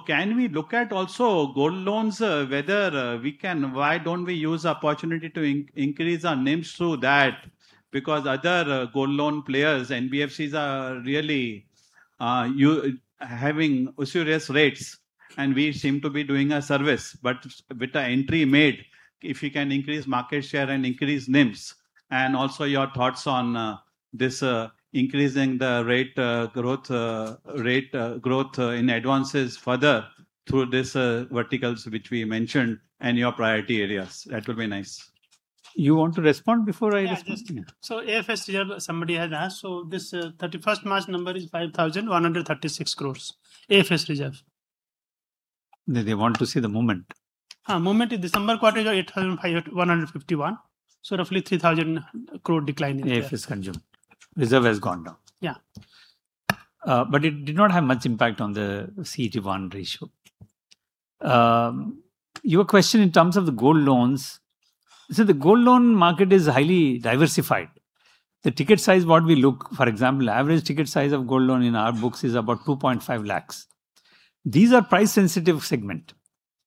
Can we look at also gold loans, whether we can why don't we use opportunity to increase our NIMs through that? Because other gold loan players, NBFCs are really having usurious rates and we seem to be doing a service. With the entry made, if you can increase market share and increase NIMs. Also your thoughts on this increasing the rate growth in advances further through these verticals which we mentioned and your priority areas. That would be nice.
You want to respond before I respond?
Yeah. AFS reserve, somebody had asked. This 31st March number is 5,136 crores, AFS reserve.
They want to see the movement.
Movement in December quarter, 8,500 crore, 151 crore, roughly 3,000 crore decline in AFS.
AFS consumed. Reserve has gone down.
Yeah.
It did not have much impact on the CET1 ratio. Your question in terms of the gold loans. The gold loan market is highly diversified. The ticket size, what we look, for example, average ticket size of gold loan in our books is about 2.5 lakhs. These are price sensitive segment.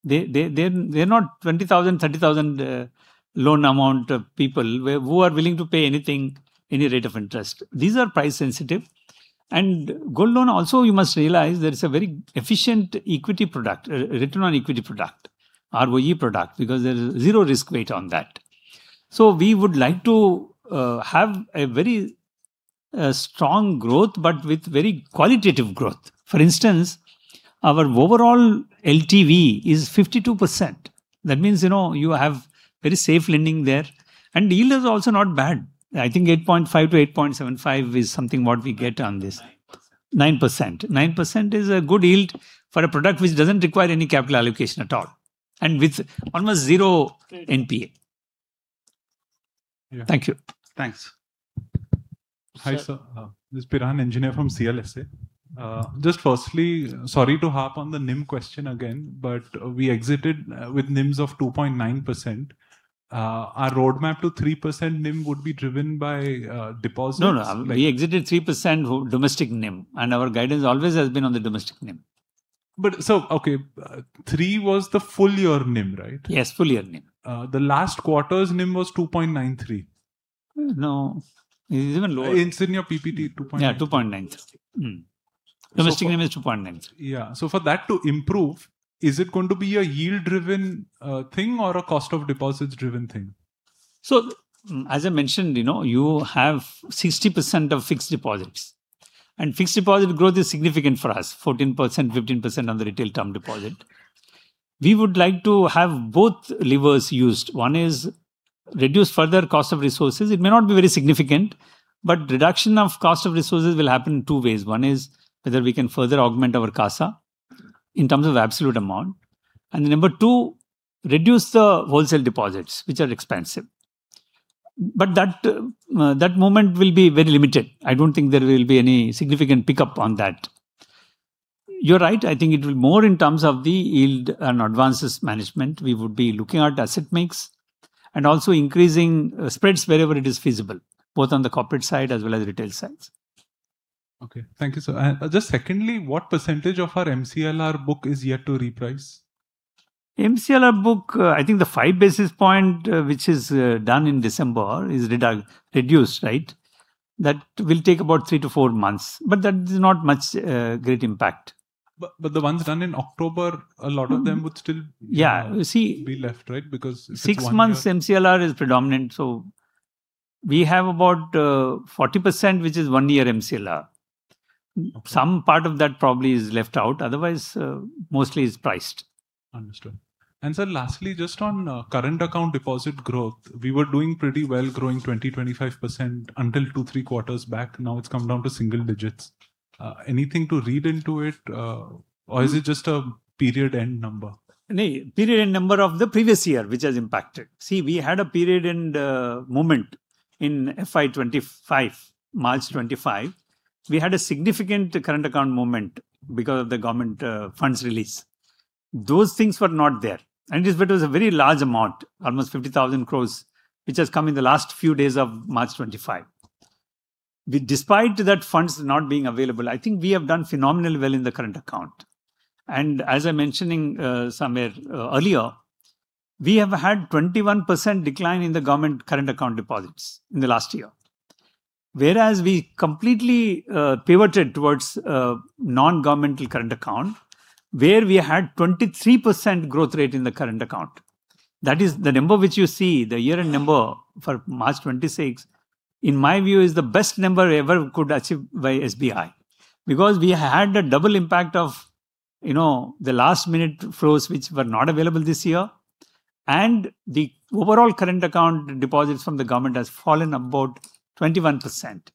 They're not 20,000, 30,000 loan amount of people who are willing to pay anything, any rate of interest. These are price sensitive. Gold loan also, you must realize that it's a very efficient equity product, return on equity product, ROE product, because there is zero risk weight on that. We would like to have a very strong growth, but with very qualitative growth. For instance, our overall LTV is 52%. That means, you know, you have very safe lending there, and yield is also not bad. I think 8.5%-8.75% is something what we get on this.
9%.
9%. 9% is a good yield for a product which doesn't require any capital allocation at all, and with almost zero NPA.
Yeah.
Thank you.
Thanks.
Hi, sir. This is Piran Engineer from CLSA. Just firstly, sorry to harp on the NIM question again, but we exited with NIMs of 2.9%. Our roadmap to 3% NIM would be driven by deposits?
No, no. We exited 3% domestic NIM. Our guidance always has been on the domestic NIM.
Okay, 3% was the full-year NIM, right?
Yes, full-year NIM.
The last quarter's NIM was 2.93%.
No. It is even lower.
It's in your PPT, 2.93%.
Yeah, 2.93%. Domestic NIM is 2.93%.
Yeah. For that to improve, is it going to be a yield-driven thing or a cost of deposits-driven thing?
As I mentioned, you know, you have 60% of fixed deposits, and fixed deposit growth is significant for us, 14%, 15% on the retail term deposit. We would like to have both levers used. One is reduce further cost of resources. It may not be very significant, reduction of cost of resources will happen in two ways. One is whether we can further augment our CASA in terms of absolute amount. Number two, reduce the wholesale deposits, which are expensive. That movement will be very limited. I don't think there will be any significant pickup on that. You're right. It will more in terms of the yield and advances management, we would be looking at asset mix and also increasing spreads wherever it is feasible, both on the corporate side as well as retail sides.
Okay. Thank you, sir. Just secondly, what percentage of our MCLR book is yet to reprice?
MCLR book, I think the 5 basis point, which is done in December is reduced, right? That will take about three to four months, but that is not much great impact.
The ones done in October, a lot of them would still-
Yeah.
Be left, right? If it's one year.
Six months MCLR is predominant, so we have about 40%, which is one year MCLR. Some part of that probably is left out. Mostly it's priced.
Understood. Sir, lastly, just on current account deposit growth. We were doing pretty well growing 20%, 25% until two, three quarters back. Now it's come down to single-digits. Anything to read into it or is it just a period-end number?
Nay. Period-end number of the previous year, which has impacted. See, we had a period-end movement in FY 2025, March 25. We had a significant current account movement because of the government funds release. Those things were not there. It was a very large amount, almost 50,000 crores, which has come in the last few days of March 25. With despite that funds not being available, I think we have done phenomenally well in the current account. As I mentioning, Samir, earlier, we have had 21% decline in the government current account deposits in the last year. Whereas we completely pivoted towards non-governmental current account, where we had 23% growth rate in the current account. That is the number which you see, the year-end number for March 26, in my view, is the best number ever could achieve by SBI. We had the double impact of, you know, the last-minute flows which were not available this year. The overall current account deposits from the government has fallen about 21%.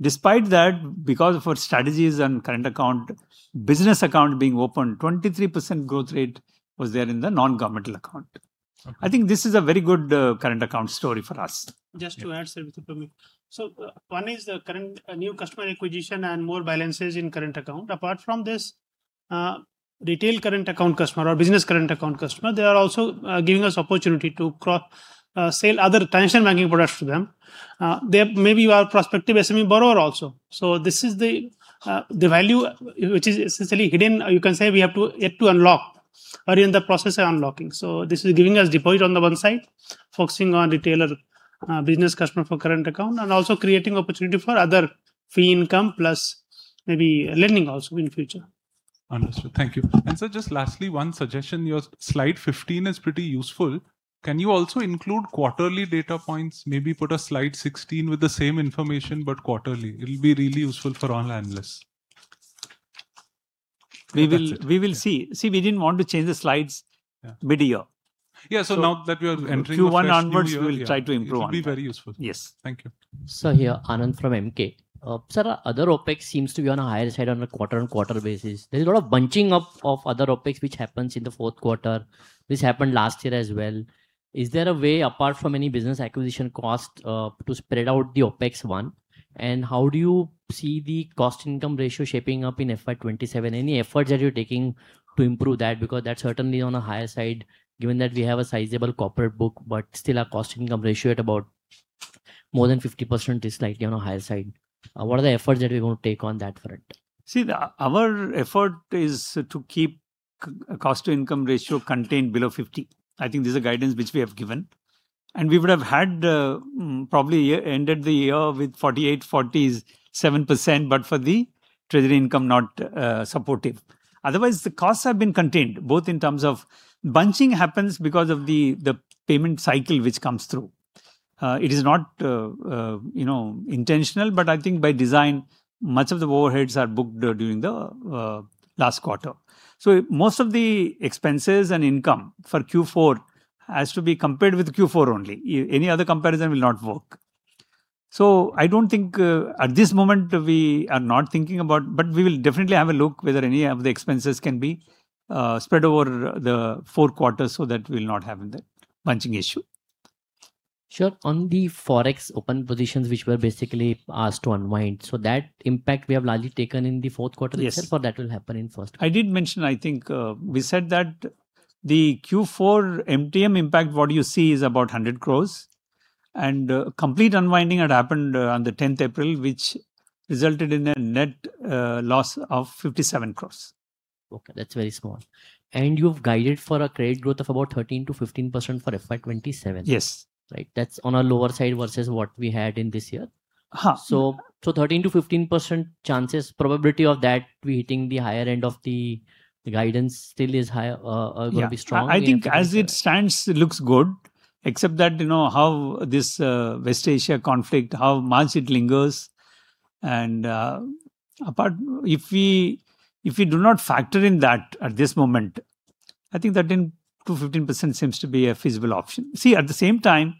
Despite that, because of our strategies and current account, business account being open, 23% growth rate was there in the non-governmental account.
Okay.
I think this is a very good current account story for us.
Just to add, sir, with the permit. One is the current new customer acquisition and more balances in current account. Apart from this, retail current account customer or business current account customer, they are also giving us opportunity to cross sell other transaction banking products to them. They may be our prospective SME borrower also. This is the value which is essentially hidden, you can say, we have to yet to unlock or in the process of unlocking. This is giving us deposit on the one side, focusing on retailer business customer for current account, and also creating opportunity for other fee income plus maybe lending also in future.
Understood. Thank you. Just lastly, one suggestion. Your slide 15 is pretty useful. Can you also include quarterly data points? Maybe put a slide 16 with the same information, but quarterly. It'll be really useful for all analysts.
We will see. See, we didn't want to change the slides mid-year.
Yeah. Now that we are entering a fresh new year here.
Q1 onwards, we'll try to improve on that.
It will be very useful.
Yes.
Thank you.
Sir, Anand from Emkay. Sir, other OpEx seems to be on a higher side on a quarter-on-quarter basis. There's a lot of bunching up of other OpEx, which happens in the fourth quarter. This happened last year as well. Is there a way, apart from any business acquisition cost, to spread out the OpEx one? How do you see the cost-income ratio shaping up in FY 2027? Any efforts that you're taking to improve that? That's certainly on a higher side, given that we have a sizable corporate book, but still our cost-income ratio at about more than 50% is slightly on a higher side. What are the efforts that we're going to take on that front?
Our effort is to keep cost-to-income ratio contained below 50%. I think this is a guidance which we have given. We would have had probably ended the year with 48%, 47%, but for the treasury income not supportive. Otherwise, the costs have been contained. Bunching happens because of the payment cycle which comes through. It is not, you know, intentional, but I think by design, much of the overheads are booked during the last quarter. Most of the expenses and income for Q4 has to be compared with Q4 only. Any other comparison will not work. I don't think, at this moment we are not thinking about, but we will definitely have a look whether any of the expenses can be spread over the four quarters so that we'll not have the bunching issue.
Sure. On the forex open positions, which were basically asked to unwind. That impact we have largely taken in the fourth quarter.
Yes.
Except for that will happen in first.
I did mention, I think, we said that the Q4 MTM impact, what you see is about 100 crores. Complete unwinding had happened on the 10th April, which resulted in a net loss of 57 crores.
Okay, that's very small. You've guided for a credit growth of about 13%-15% for FY 2027.
Yes.
Right. That's on a lower side versus what we had in this year. 13%-15% chances, probability of that we hitting the higher end of the guidance still is high.
Yeah. I think as it stands, it looks good, except that, you know, how this West Asia conflict, how much it lingers. Apart, if we do not factor in that at this moment, I think that 10%-15% seems to be a feasible option. See, at the same time,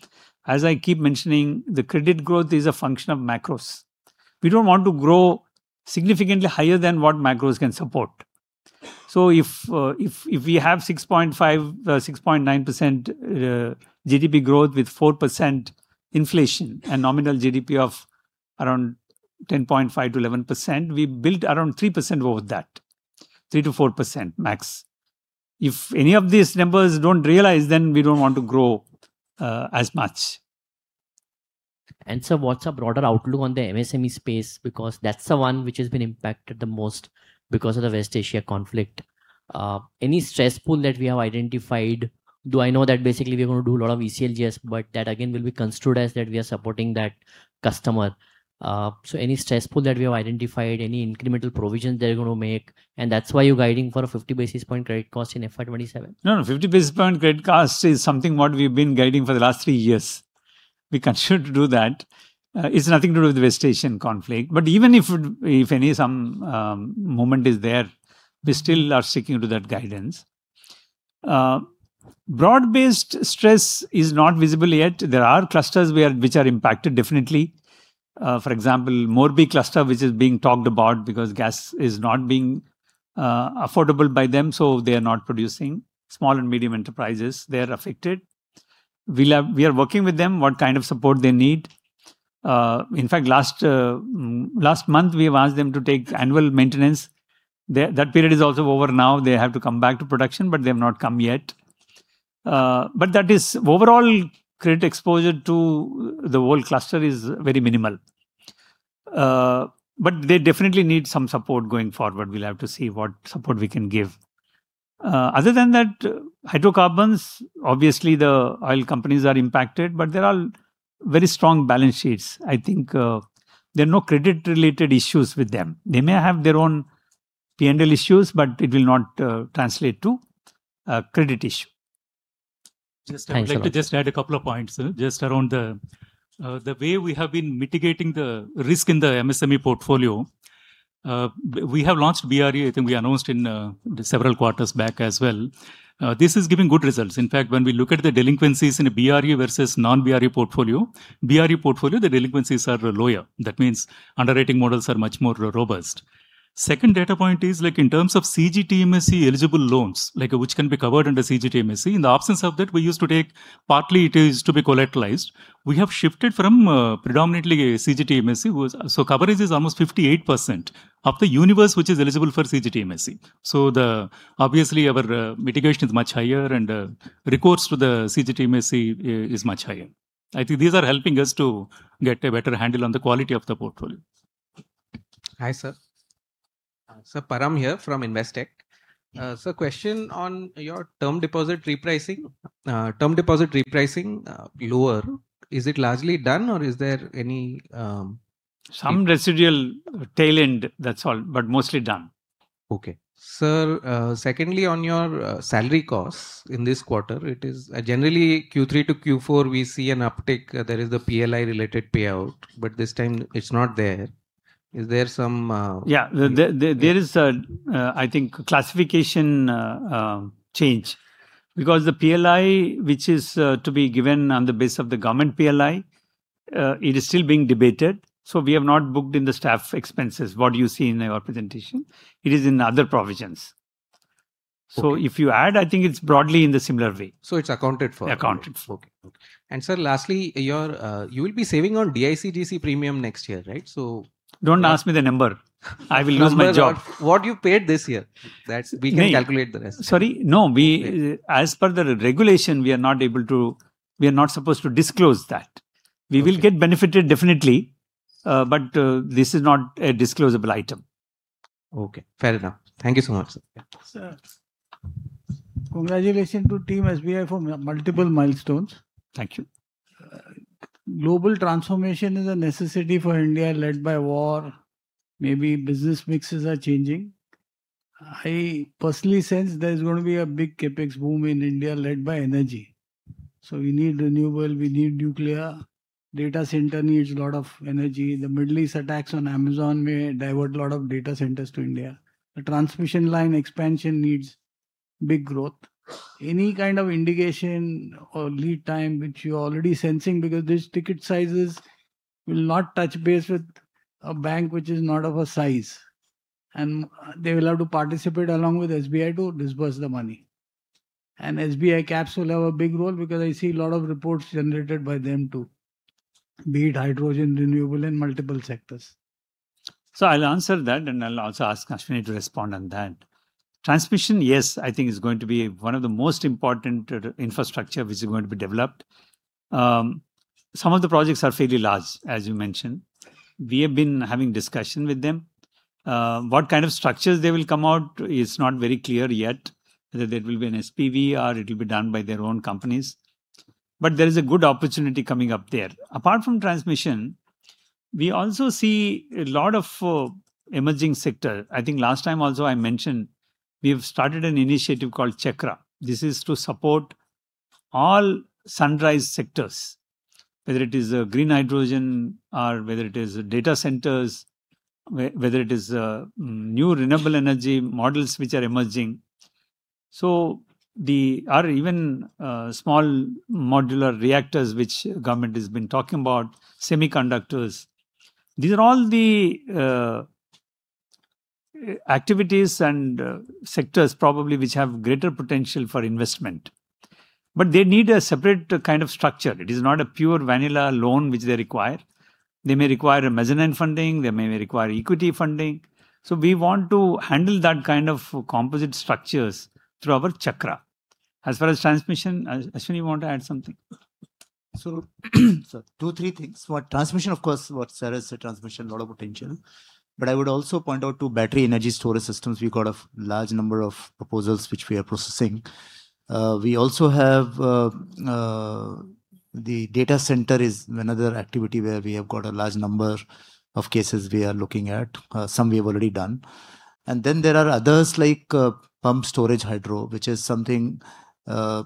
as I keep mentioning, the credit growth is a function of macros. We don't want to grow significantly higher than what macros can support. If we have 6.5%, 6.9% GDP growth with 4% inflation and nominal GDP of around 10.5%-11%, we built around 3% over that, 3%-4% max. If any of these numbers don't realize, then we don't want to grow as much.
What's our broader outlook on the MSME space? Because that's the one which has been impacted the most because of the West Asia conflict. Any stress pool that we have identified? Do I know that basically we're going to do a lot of ECLGS, but that again, will be construed as that we are supporting that customer. Any stress pool that we have identified, any incremental provisions that you're going to make, and that's why you're guiding for a 50 basis point credit cost in FY 2027?
No, no, 50 basis point credit cost is something what we've been guiding for the last three years. We continue to do that. It's nothing to do with the West Asian conflict. Even if any, some moment is there, we still are sticking to that guidance. Broad-based stress is not visible yet. There are clusters which are impacted definitely. For example, Morbi cluster, which is being talked about because gas is not being affordable by them, so they are not producing. Small and medium enterprises, they are affected. We are working with them, what kind of support they need. In fact, last month, we have asked them to take annual maintenance. That period is also over now. They have to come back to production, but they have not come yet. That is overall credit exposure to the whole cluster is very minimal. They definitely need some support going forward. We will have to see what support we can give. Other than that, hydrocarbons, obviously, the oil companies are impacted, but there are very strong balance sheets. I think, there are no credit-related issues with them. They may have their own P&L issues, but it will not translate to a credit issue.
Just I'd like to just add a couple of points, just around the way we have been mitigating the risk in the MSME portfolio. We have launched BRE, I think we announced in several quarters back as well. This is giving good results. In fact, when we look at the delinquencies in a BRE versus non-BRE portfolio, BRE portfolio, the delinquencies are lower. That means underwriting models are much more robust. Second data point is, like, in terms of CGTMSE eligible loans, like, which can be covered under CGTMSE, in the absence of that, we used to take, partly it used to be collateralized. We have shifted from predominantly CGTMSE. Coverage is almost 58% of the universe which is eligible for CGTMSE. The, obviously, our mitigation is much higher and recourse to the CGTMSE is much higher. I think these are helping us to get a better handle on the quality of the portfolio.
Hi, sir. Sir, Param here from Investec. Sir, question on your term deposit repricing. Term deposit repricing, lower, is it largely done or is there any?
Some residual tail end, that's all, but mostly done.
Okay. Sir, secondly, on your salary costs in this quarter, it is generally, Q3 to Q4, we see an uptick. There is the PLI related payout, this time it's not there. Is there some?
Yeah. There is a, I think, classification change. The PLI, which is to be given on the base of the government PLI, it is still being debated, so we have not booked in the staff expenses, what you see in our presentation. It is in other provisions.
Okay.
If you add, I think it's broadly in the similar way.
It's accounted for.
Accounted for.
Okay. Lastly, you will be saving on DICGC premium next year, right?
Don't ask me the number. I will lose my job.
Number of what you paid this year. That's, we can calculate the rest.
Sorry, no. We, as per the regulation, we are not supposed to disclose that.
Okay.
We will get benefited definitely, but this is not a disclosable item.
Okay. Fair enough. Thank you so much, sir.
Yeah.
Sir, congratulations to team SBI for multiple milestones.
Thank you.
Global transformation is a necessity for India led by war. Maybe business mixes are changing. I personally sense there is going to be a big CapEx boom in India led by energy. We need renewable, we need nuclear. Data center needs a lot of energy. The Middle East attacks on Amazon may divert a lot of data centers to India. The transmission line expansion needs big growth. Any kind of indication or lead time which you're already sensing, because these ticket sizes will not touch base with a bank which is not of a size, and they will have to participate along with SBI to disburse the money. SBI Caps will have a big role because I see a lot of reports generated by them too, be it hydrogen, renewable, and multiple sectors.
I'll answer that and I'll also ask Ashwini to respond on that. Transmission, yes, I think is going to be one of the most important infrastructure which is going to be developed. Some of the projects are fairly large, as you mentioned. We have been having discussion with them. What kind of structures they will come out is not very clear yet, whether there will be an SPV or it'll be done by their own companies. There is a good opportunity coming up there. Apart from transmission, we also see a lot of emerging sector. I think last time also I mentioned, we have started an initiative called CHAKRA. This is to support all sunrise sectors, whether it is green hydrogen or whether it is data centers, whether it is new renewable energy models which are emerging. Or even, small modular reactors which government has been talking about, semiconductors. These are all the activities and sectors probably which have greater potential for investment. They need a separate kind of structure. It is not a pure vanilla loan which they require. They may require a mezzanine funding, they may require equity funding. We want to handle that kind of composite structures through our CHAKRA. As far as transmission, Ashwini, you want to add something?
Sir, two, three things. For transmission, of course, what sir said, transmission, lot of potential. I would also point out to battery energy storage systems, we've got a large number of proposals which we are processing. We also have the data center is another activity where we have got a large number of cases we are looking at, some we have already done. There are others like pump storage hydro, which is something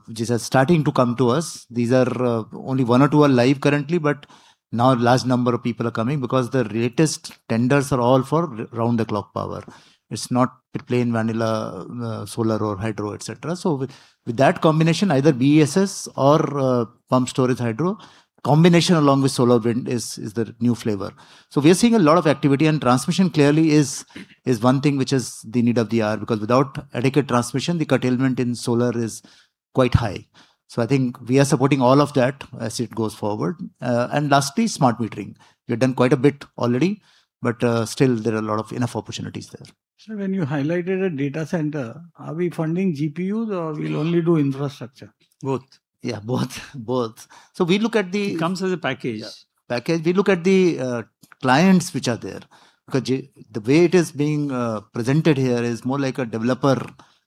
which are starting to come to us. These are, only one or two are live currently, but now a large number of people are coming because the latest tenders are all for round-the-clock power. It's not plain vanilla solar or hydro, et cetera. With that combination, either BESS or pump storage hydro, combination along with solar wind is the new flavor. We are seeing a lot of activity, and transmission clearly is one thing which is the need of the hour, because without adequate transmission, the curtailment in solar is quite high. I think we are supporting all of that as it goes forward. And lastly, smart metering. We've done quite a bit already, but, still there are a lot of enough opportunities there.
Sir, when you highlighted a data center, are we funding GPUs or we'll only do infrastructure?
Both. Yeah, both.
It comes as a package.
Yeah, package. We look at the clients which are there. Because the way it is being presented here is more like a developer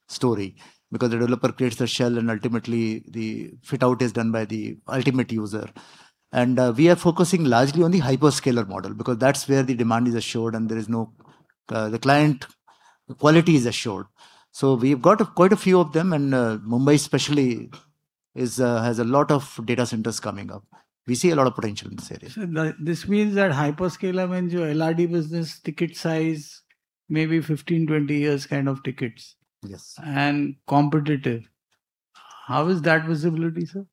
story, because the developer creates the shell and ultimately the fit-out is done by the ultimate user. we are focusing largely on the hyperscaler model, because that's where the demand is assured and there is no the client quality is assured. we've got quite a few of them, Mumbai especially is has a lot of data centers coming up. We see a lot of potential in this area.
Sir, this means that hyperscaler means your LRD business ticket size maybe 15, 20 years kind of tickets.
Yes.
Competitive. How is that visibility, sir?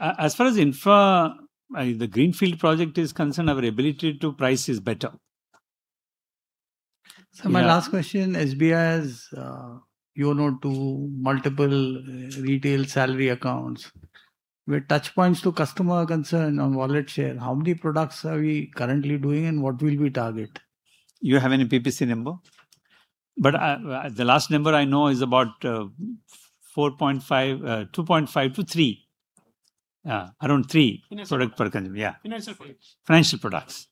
As far as infra, the greenfield project is concerned, our ability to price is better.
Sir, my last question. SBI has YONO to multiple retail salary accounts with touch points to customer concern on wallet share. How many products are we currently doing, and what will we target?
You have any PPC number? The last number I know is about 4.5, 2.5-3. Around three product per customer. Yeah.
Financial products.
Financial products.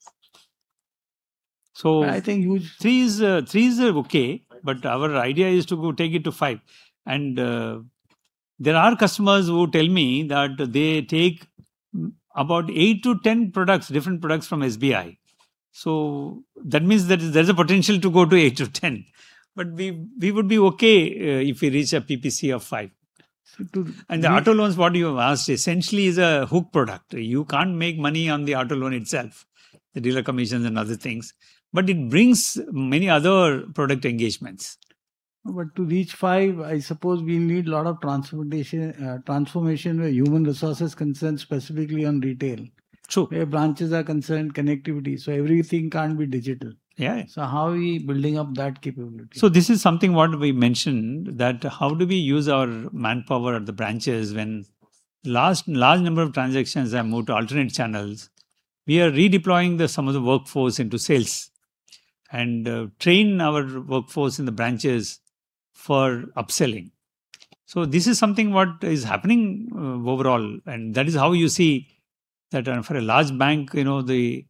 I think huge-
Three is okay, but our idea is to go take it to five. There are customers who tell me that they take about eight to 10 products, different products from SBI. That means that there's a potential to go to eight to 10. We would be okay if we reach a PPC of five. The auto loans, what you have asked, essentially is a hook product. You can't make money on the auto loan itself, the dealer commissions and other things, but it brings many other product engagements.
To reach five, I suppose we need a lot of transformation where human resources concerned specifically on retail.
True.
Where branches are concerned, connectivity. Everything can't be digital.
Yeah, yeah.
How are we building up that capability?
This is something what we mentioned, that how do we use our manpower at the branches when large number of transactions are moved to alternate channels. We are redeploying some of the workforce into sales and train our workforce in the branches for upselling. This is something what is happening overall, and that is how you see that, for a large bank, you know, the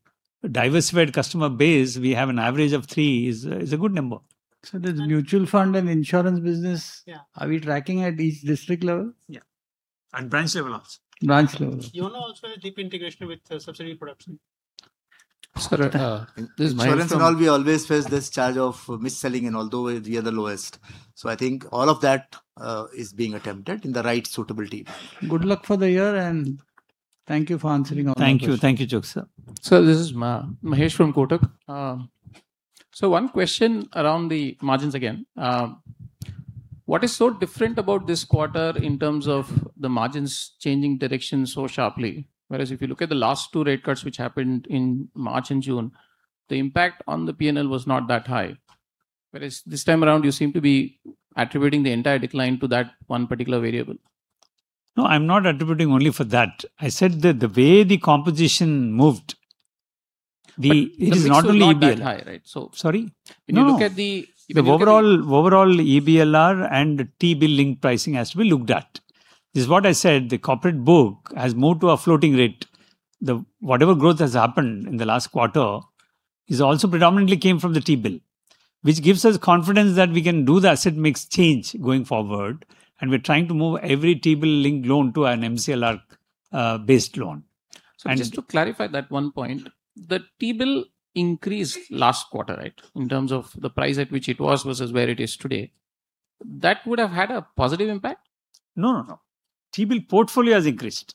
diversified customer base, we have an average of three is a good number.
The mutual fund and insurance business.
Yeah.
Are we tracking at each district level?
Yeah. Branch level also.
Branch level.
YONO also has deep integration with subsidiary products. Insurance and all, we always face this charge of mis-selling and although we are the lowest. I think all of that is being attempted in the right suitability.
Good luck for the year and thank you for answering all our questions.
Thank you. Thank you, [Jukhsa].
Sir, this is Mahesh from Kotak. One question around the margins again. What is so different about this quarter in terms of the margins changing direction so sharply? Whereas if you look at the last two rate cuts which happened in March and June, the impact on the P&L was not that high. Whereas this time around, you seem to be attributing the entire decline to that one particular variable.
No, I'm not attributing only for that. I said that the way the composition moved, it is not only P&L.
The mix was not that high, right?
Sorry?
When you look at the-
No. The overall EBLR and T-bill linked pricing has to be looked at. This is what I said, the corporate book has moved to a floating rate. Whatever growth has happened in the last quarter is also predominantly came from the T-bill, which gives us confidence that we can do the asset mix change going forward, and we're trying to move every T-bill linked loan to an MCLR based loan.
Just to clarify that one point. The T-bill increased last quarter, right? In terms of the price at which it was versus where it is today. That would have had a positive impact?
No, no. T-bill portfolio has increased.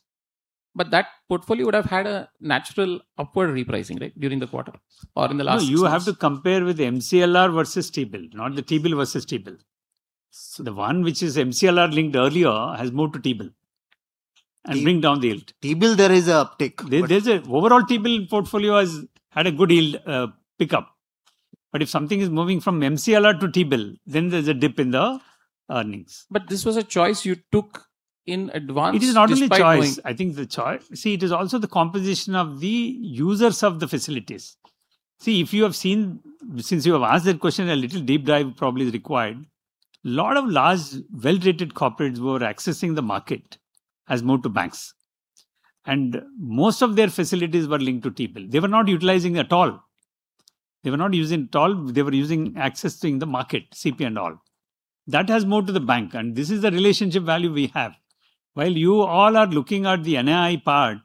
That portfolio would have had a natural upward repricing, right, during the quarter or in the last six months.
No, you have to compare with MCLR versus T-bill, not the T-bill versus T-bill. The one which is MCLR linked earlier has moved to T-bill and bring down the yield.
T-bill, there is an uptick.
There's a overall T-bill portfolio has had a good yield pickup. If something is moving from MCLR to T-bill, then there's a dip in the earnings.
This was a choice you took in advance despite knowing.
It is not only choice. I think See, it is also the composition of the users of the facilities. See, if you have seen, since you have asked that question, a little deep dive probably is required. Lot of large, well-rated corporates were accessing the market has moved to banks, and most of their facilities were linked to T-bill. They were not utilizing at all. They were not using at all. They were using accessing the market, CP and all. That has moved to the bank, and this is the relationship value we have. While you all are looking at the NII part,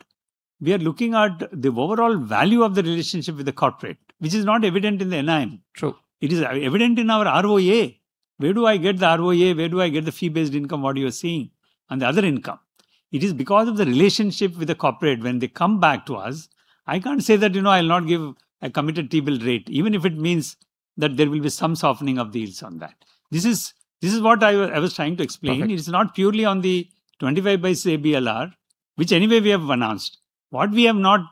we are looking at the overall value of the relationship with the corporate, which is not evident in the NII.
True.
It is evident in our ROA. Where do I get the ROA? Where do I get the fee-based income, what you are seeing, and the other income? It is because of the relationship with the corporate. When they come back to us, I can't say that, you know, I'll not give a committed T-bill rate, even if it means that there will be some softening of the yields on that. This is what I was trying to explain.
Perfect.
It is not purely on the 25 basis EBLR, which anyway we have announced. What we have not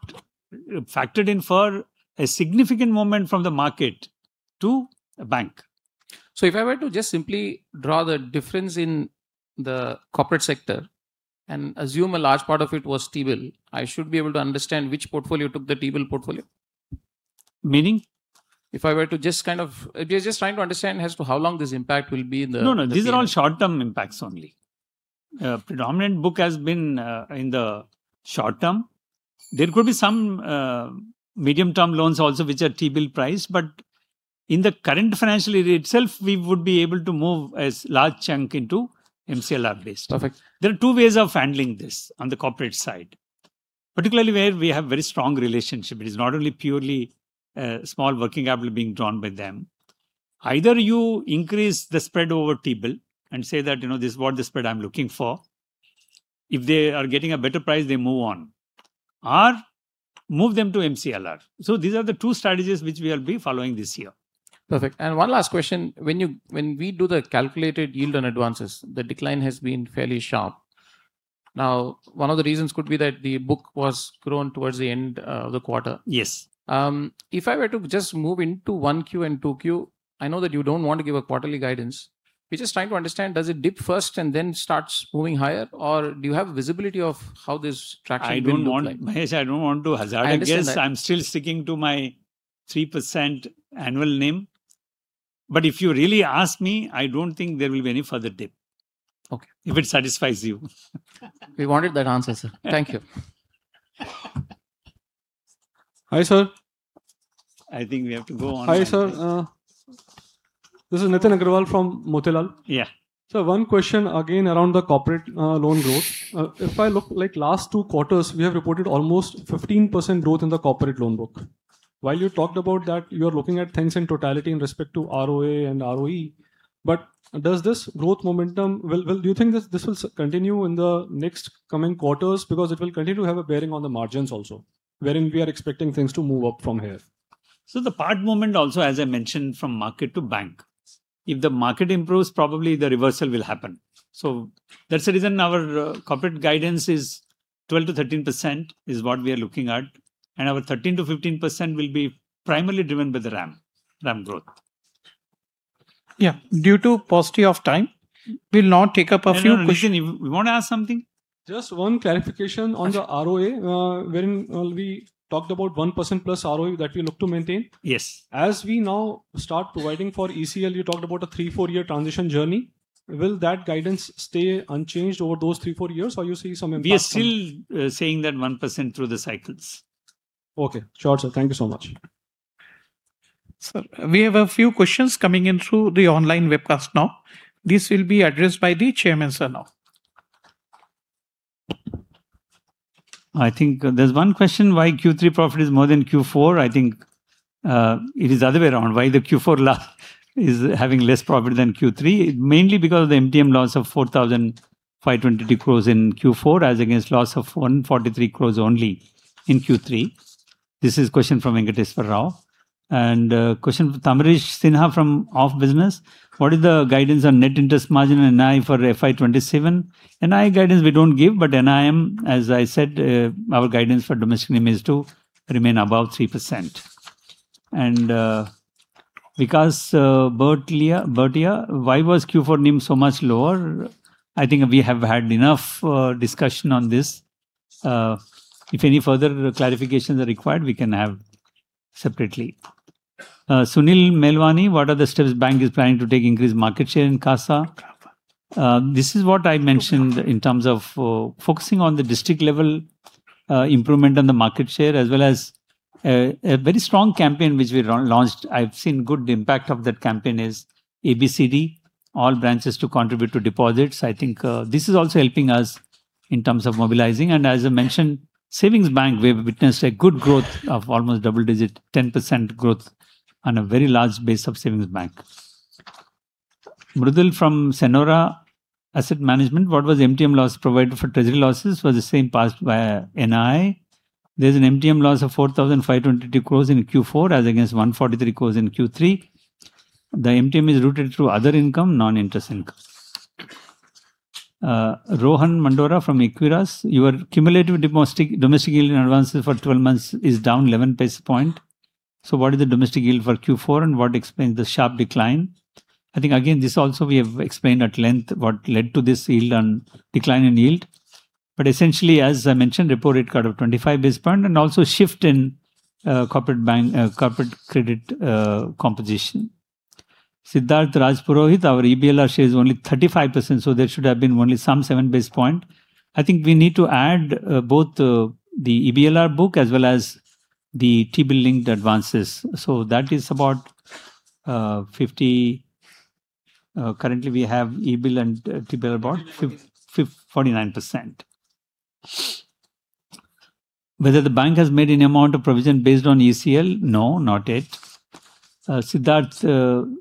factored in for a significant movement from the market to a bank.
If I were to just simply draw the difference in the corporate sector and assume a large part of it was T-bill, I should be able to understand which portfolio took the T-bill portfolio.
Meaning?
If I were to just kind of just trying to understand as to how long this impact will be in the, in the period.
No, no. These are all short-term impacts only. Predominant book has been in the short term. There could be some medium-term loans also which are T-bill priced, but in the current financial year itself, we would be able to move a large chunk into MCLR based.
Perfect.
There are two ways of handling this on the corporate side. Particularly where we have very strong relationship. It is not only purely small working capital being drawn by them. Either you increase the spread over T-bill and say that, you know, this is what the spread I'm looking for. If they are getting a better price, they move on. Move them to MCLR. These are the two strategies which we will be following this year.
Perfect. One last question. When we do the calculated yield on advances, the decline has been fairly sharp. One of the reasons could be that the book was grown towards the end of the quarter.
Yes.
If I were to just move into 1Q and 2Q, I know that you don't want to give a quarterly guidance. We're just trying to understand, does it dip first and then starts moving higher or do you have visibility of how this traction will look like?
I don't want Mahesh, I don't want to hazard a guess.
I understand that.
I'm still sticking to my 3% annual NIM. If you really ask me, I don't think there will be any further dip.
Okay.
If it satisfies you.
We wanted that answer, sir. Thank you.
Hi, sir.
I think we have to go on-
Hi, sir. This is Nitin Aggarwal from Motilal.
Yeah.
Sir, one question again around the corporate loan growth. If I look, like, last two quarters, we have reported almost 15% growth in the corporate loan book. While you talked about that, you are looking at things in totality in respect to ROA and ROE, but does this growth momentum do you think this will continue in the next coming quarters? Because it will continue to have a bearing on the margins also, wherein we are expecting things to move up from here.
The part movement also, as I mentioned, from market to bank. If the market improves, probably the reversal will happen. That's the reason our corporate guidance is 12%-13%, is what we are looking at, and our 13%-15% will be primarily driven by the RAM growth.
Yeah. Due to paucity of time, we'll now take up a few questions.
Hang on, Nitin. You want to ask something?
Just one clarification on the ROA, wherein we talked about 1%+ ROE that we look to maintain.
Yes.
As we now start providing for ECL, you talked about a three, four year transition journey. Will that guidance stay unchanged over those three, four years? You see some impact on it?
We are still, saying that 1% through the cycles.
Okay. Sure, sir. Thank you so much.
Sir, we have a few questions coming in through the online webcast now. This will be addressed by the Chairman, sir, now.
I think there's one question why Q3 profit is more than Q4. I think it is other way around, why the Q4 loss is having less profit than Q3. Mainly because of the MTM loss of 4,520 crores in Q4, as against loss of 143 crores only in Q3. This is question from Venkateswara Rao. A question from Tamarish Sinha from OfBusiness. What is the guidance on net interest margin, NII, for FY 2027? NII guidance we don't give, but NIM, as I said, our guidance for domestic NIM is to remain above 3%. Vikas Bhartiya, why was Q4 NIM so much lower? I think we have had enough discussion on this. If any further clarifications are required, we can have separately. Sunil Melwani, what are the steps bank is planning to take increase market share in CASA? This is what I mentioned in terms of, focusing on the district level, improvement on the market share, as well as a very strong campaign which we run, launched. I've seen good impact of that campaign is ABCD, all branches to contribute to deposits. I think, this is also helping us in terms of mobilizing. As I mentioned, savings bank, we've witnessed a good growth of almost double digit, 10% growth on a very large base of savings bank. Mridul from Senora Asset Management, what was the MTM loss provided for treasury losses? Was the same passed via NII? There's an MTM loss of 4,520 crores in Q4, as against 143 crores in Q3. The MTM is routed through other income, non-interest income. Rohan Mandora from Equirus, your cumulative domestic yield in advances for 12 months is down 11 basis points. What is the domestic yield for Q4, and what explains the sharp decline? I think, again, this also we have explained at length what led to this yield and decline in yield. Essentially, as I mentioned, repo rate cut of 25 basis points and also shift in corporate bank, corporate credit composition. Siddharth Rajpurohit, our EBLR share is only 35%, there should have been only some 7 basis points. I think we need to add both the EBLR book as well as the T-bill linked advances. That is about 50%. Currently we have EBLR and T-bill about 49%. Whether the bank has made any amount of provision based on ECL? No, not yet. Siddharth,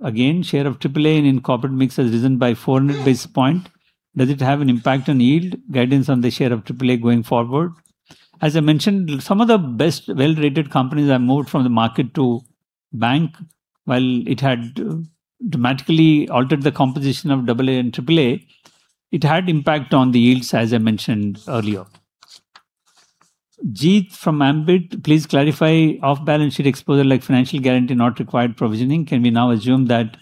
again, share of AAA in corporate mix has risen by 400 basis points. Does it have an impact on yield? Guidance on the share of AAA going forward. As I mentioned, some of the best well-rated companies have moved from the market to bank. While it had dramatically altered the composition of AA and AAA, it had impact on the yields, as I mentioned earlier. Jeet from Ambit, please clarify off-balance sheet exposure like financial guarantee not required provisioning. Can we now assume that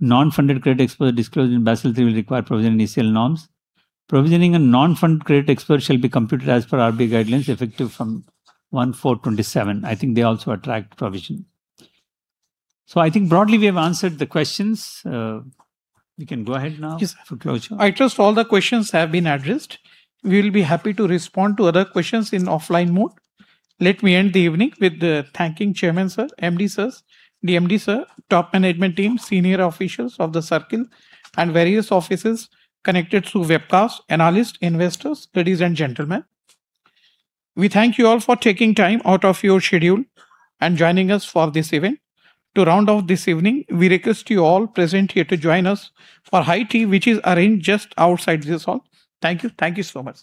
non-funded credit exposure disclosed in Basel III will require provision in ECL norms? Provisioning and non-fund credit exposure shall be computed as per RBI guidelines effective from 1/4/2027. I think they also attract provision. I think broadly we have answered the questions. We can go ahead now for closure.
Yes. I trust all the questions have been addressed. We'll be happy to respond to other questions in offline mode. Let me end the evening with thanking Chairman, sir, MD sirs, the MD sir, top management team, senior officials of the circle and various offices connected through webcast, analyst, investors, ladies and gentlemen. We thank you all for taking time out of your schedule and joining us for this event. To round off this evening, we request you all present here to join us for high tea, which is arranged just outside this hall. Thank you. Thank you so much.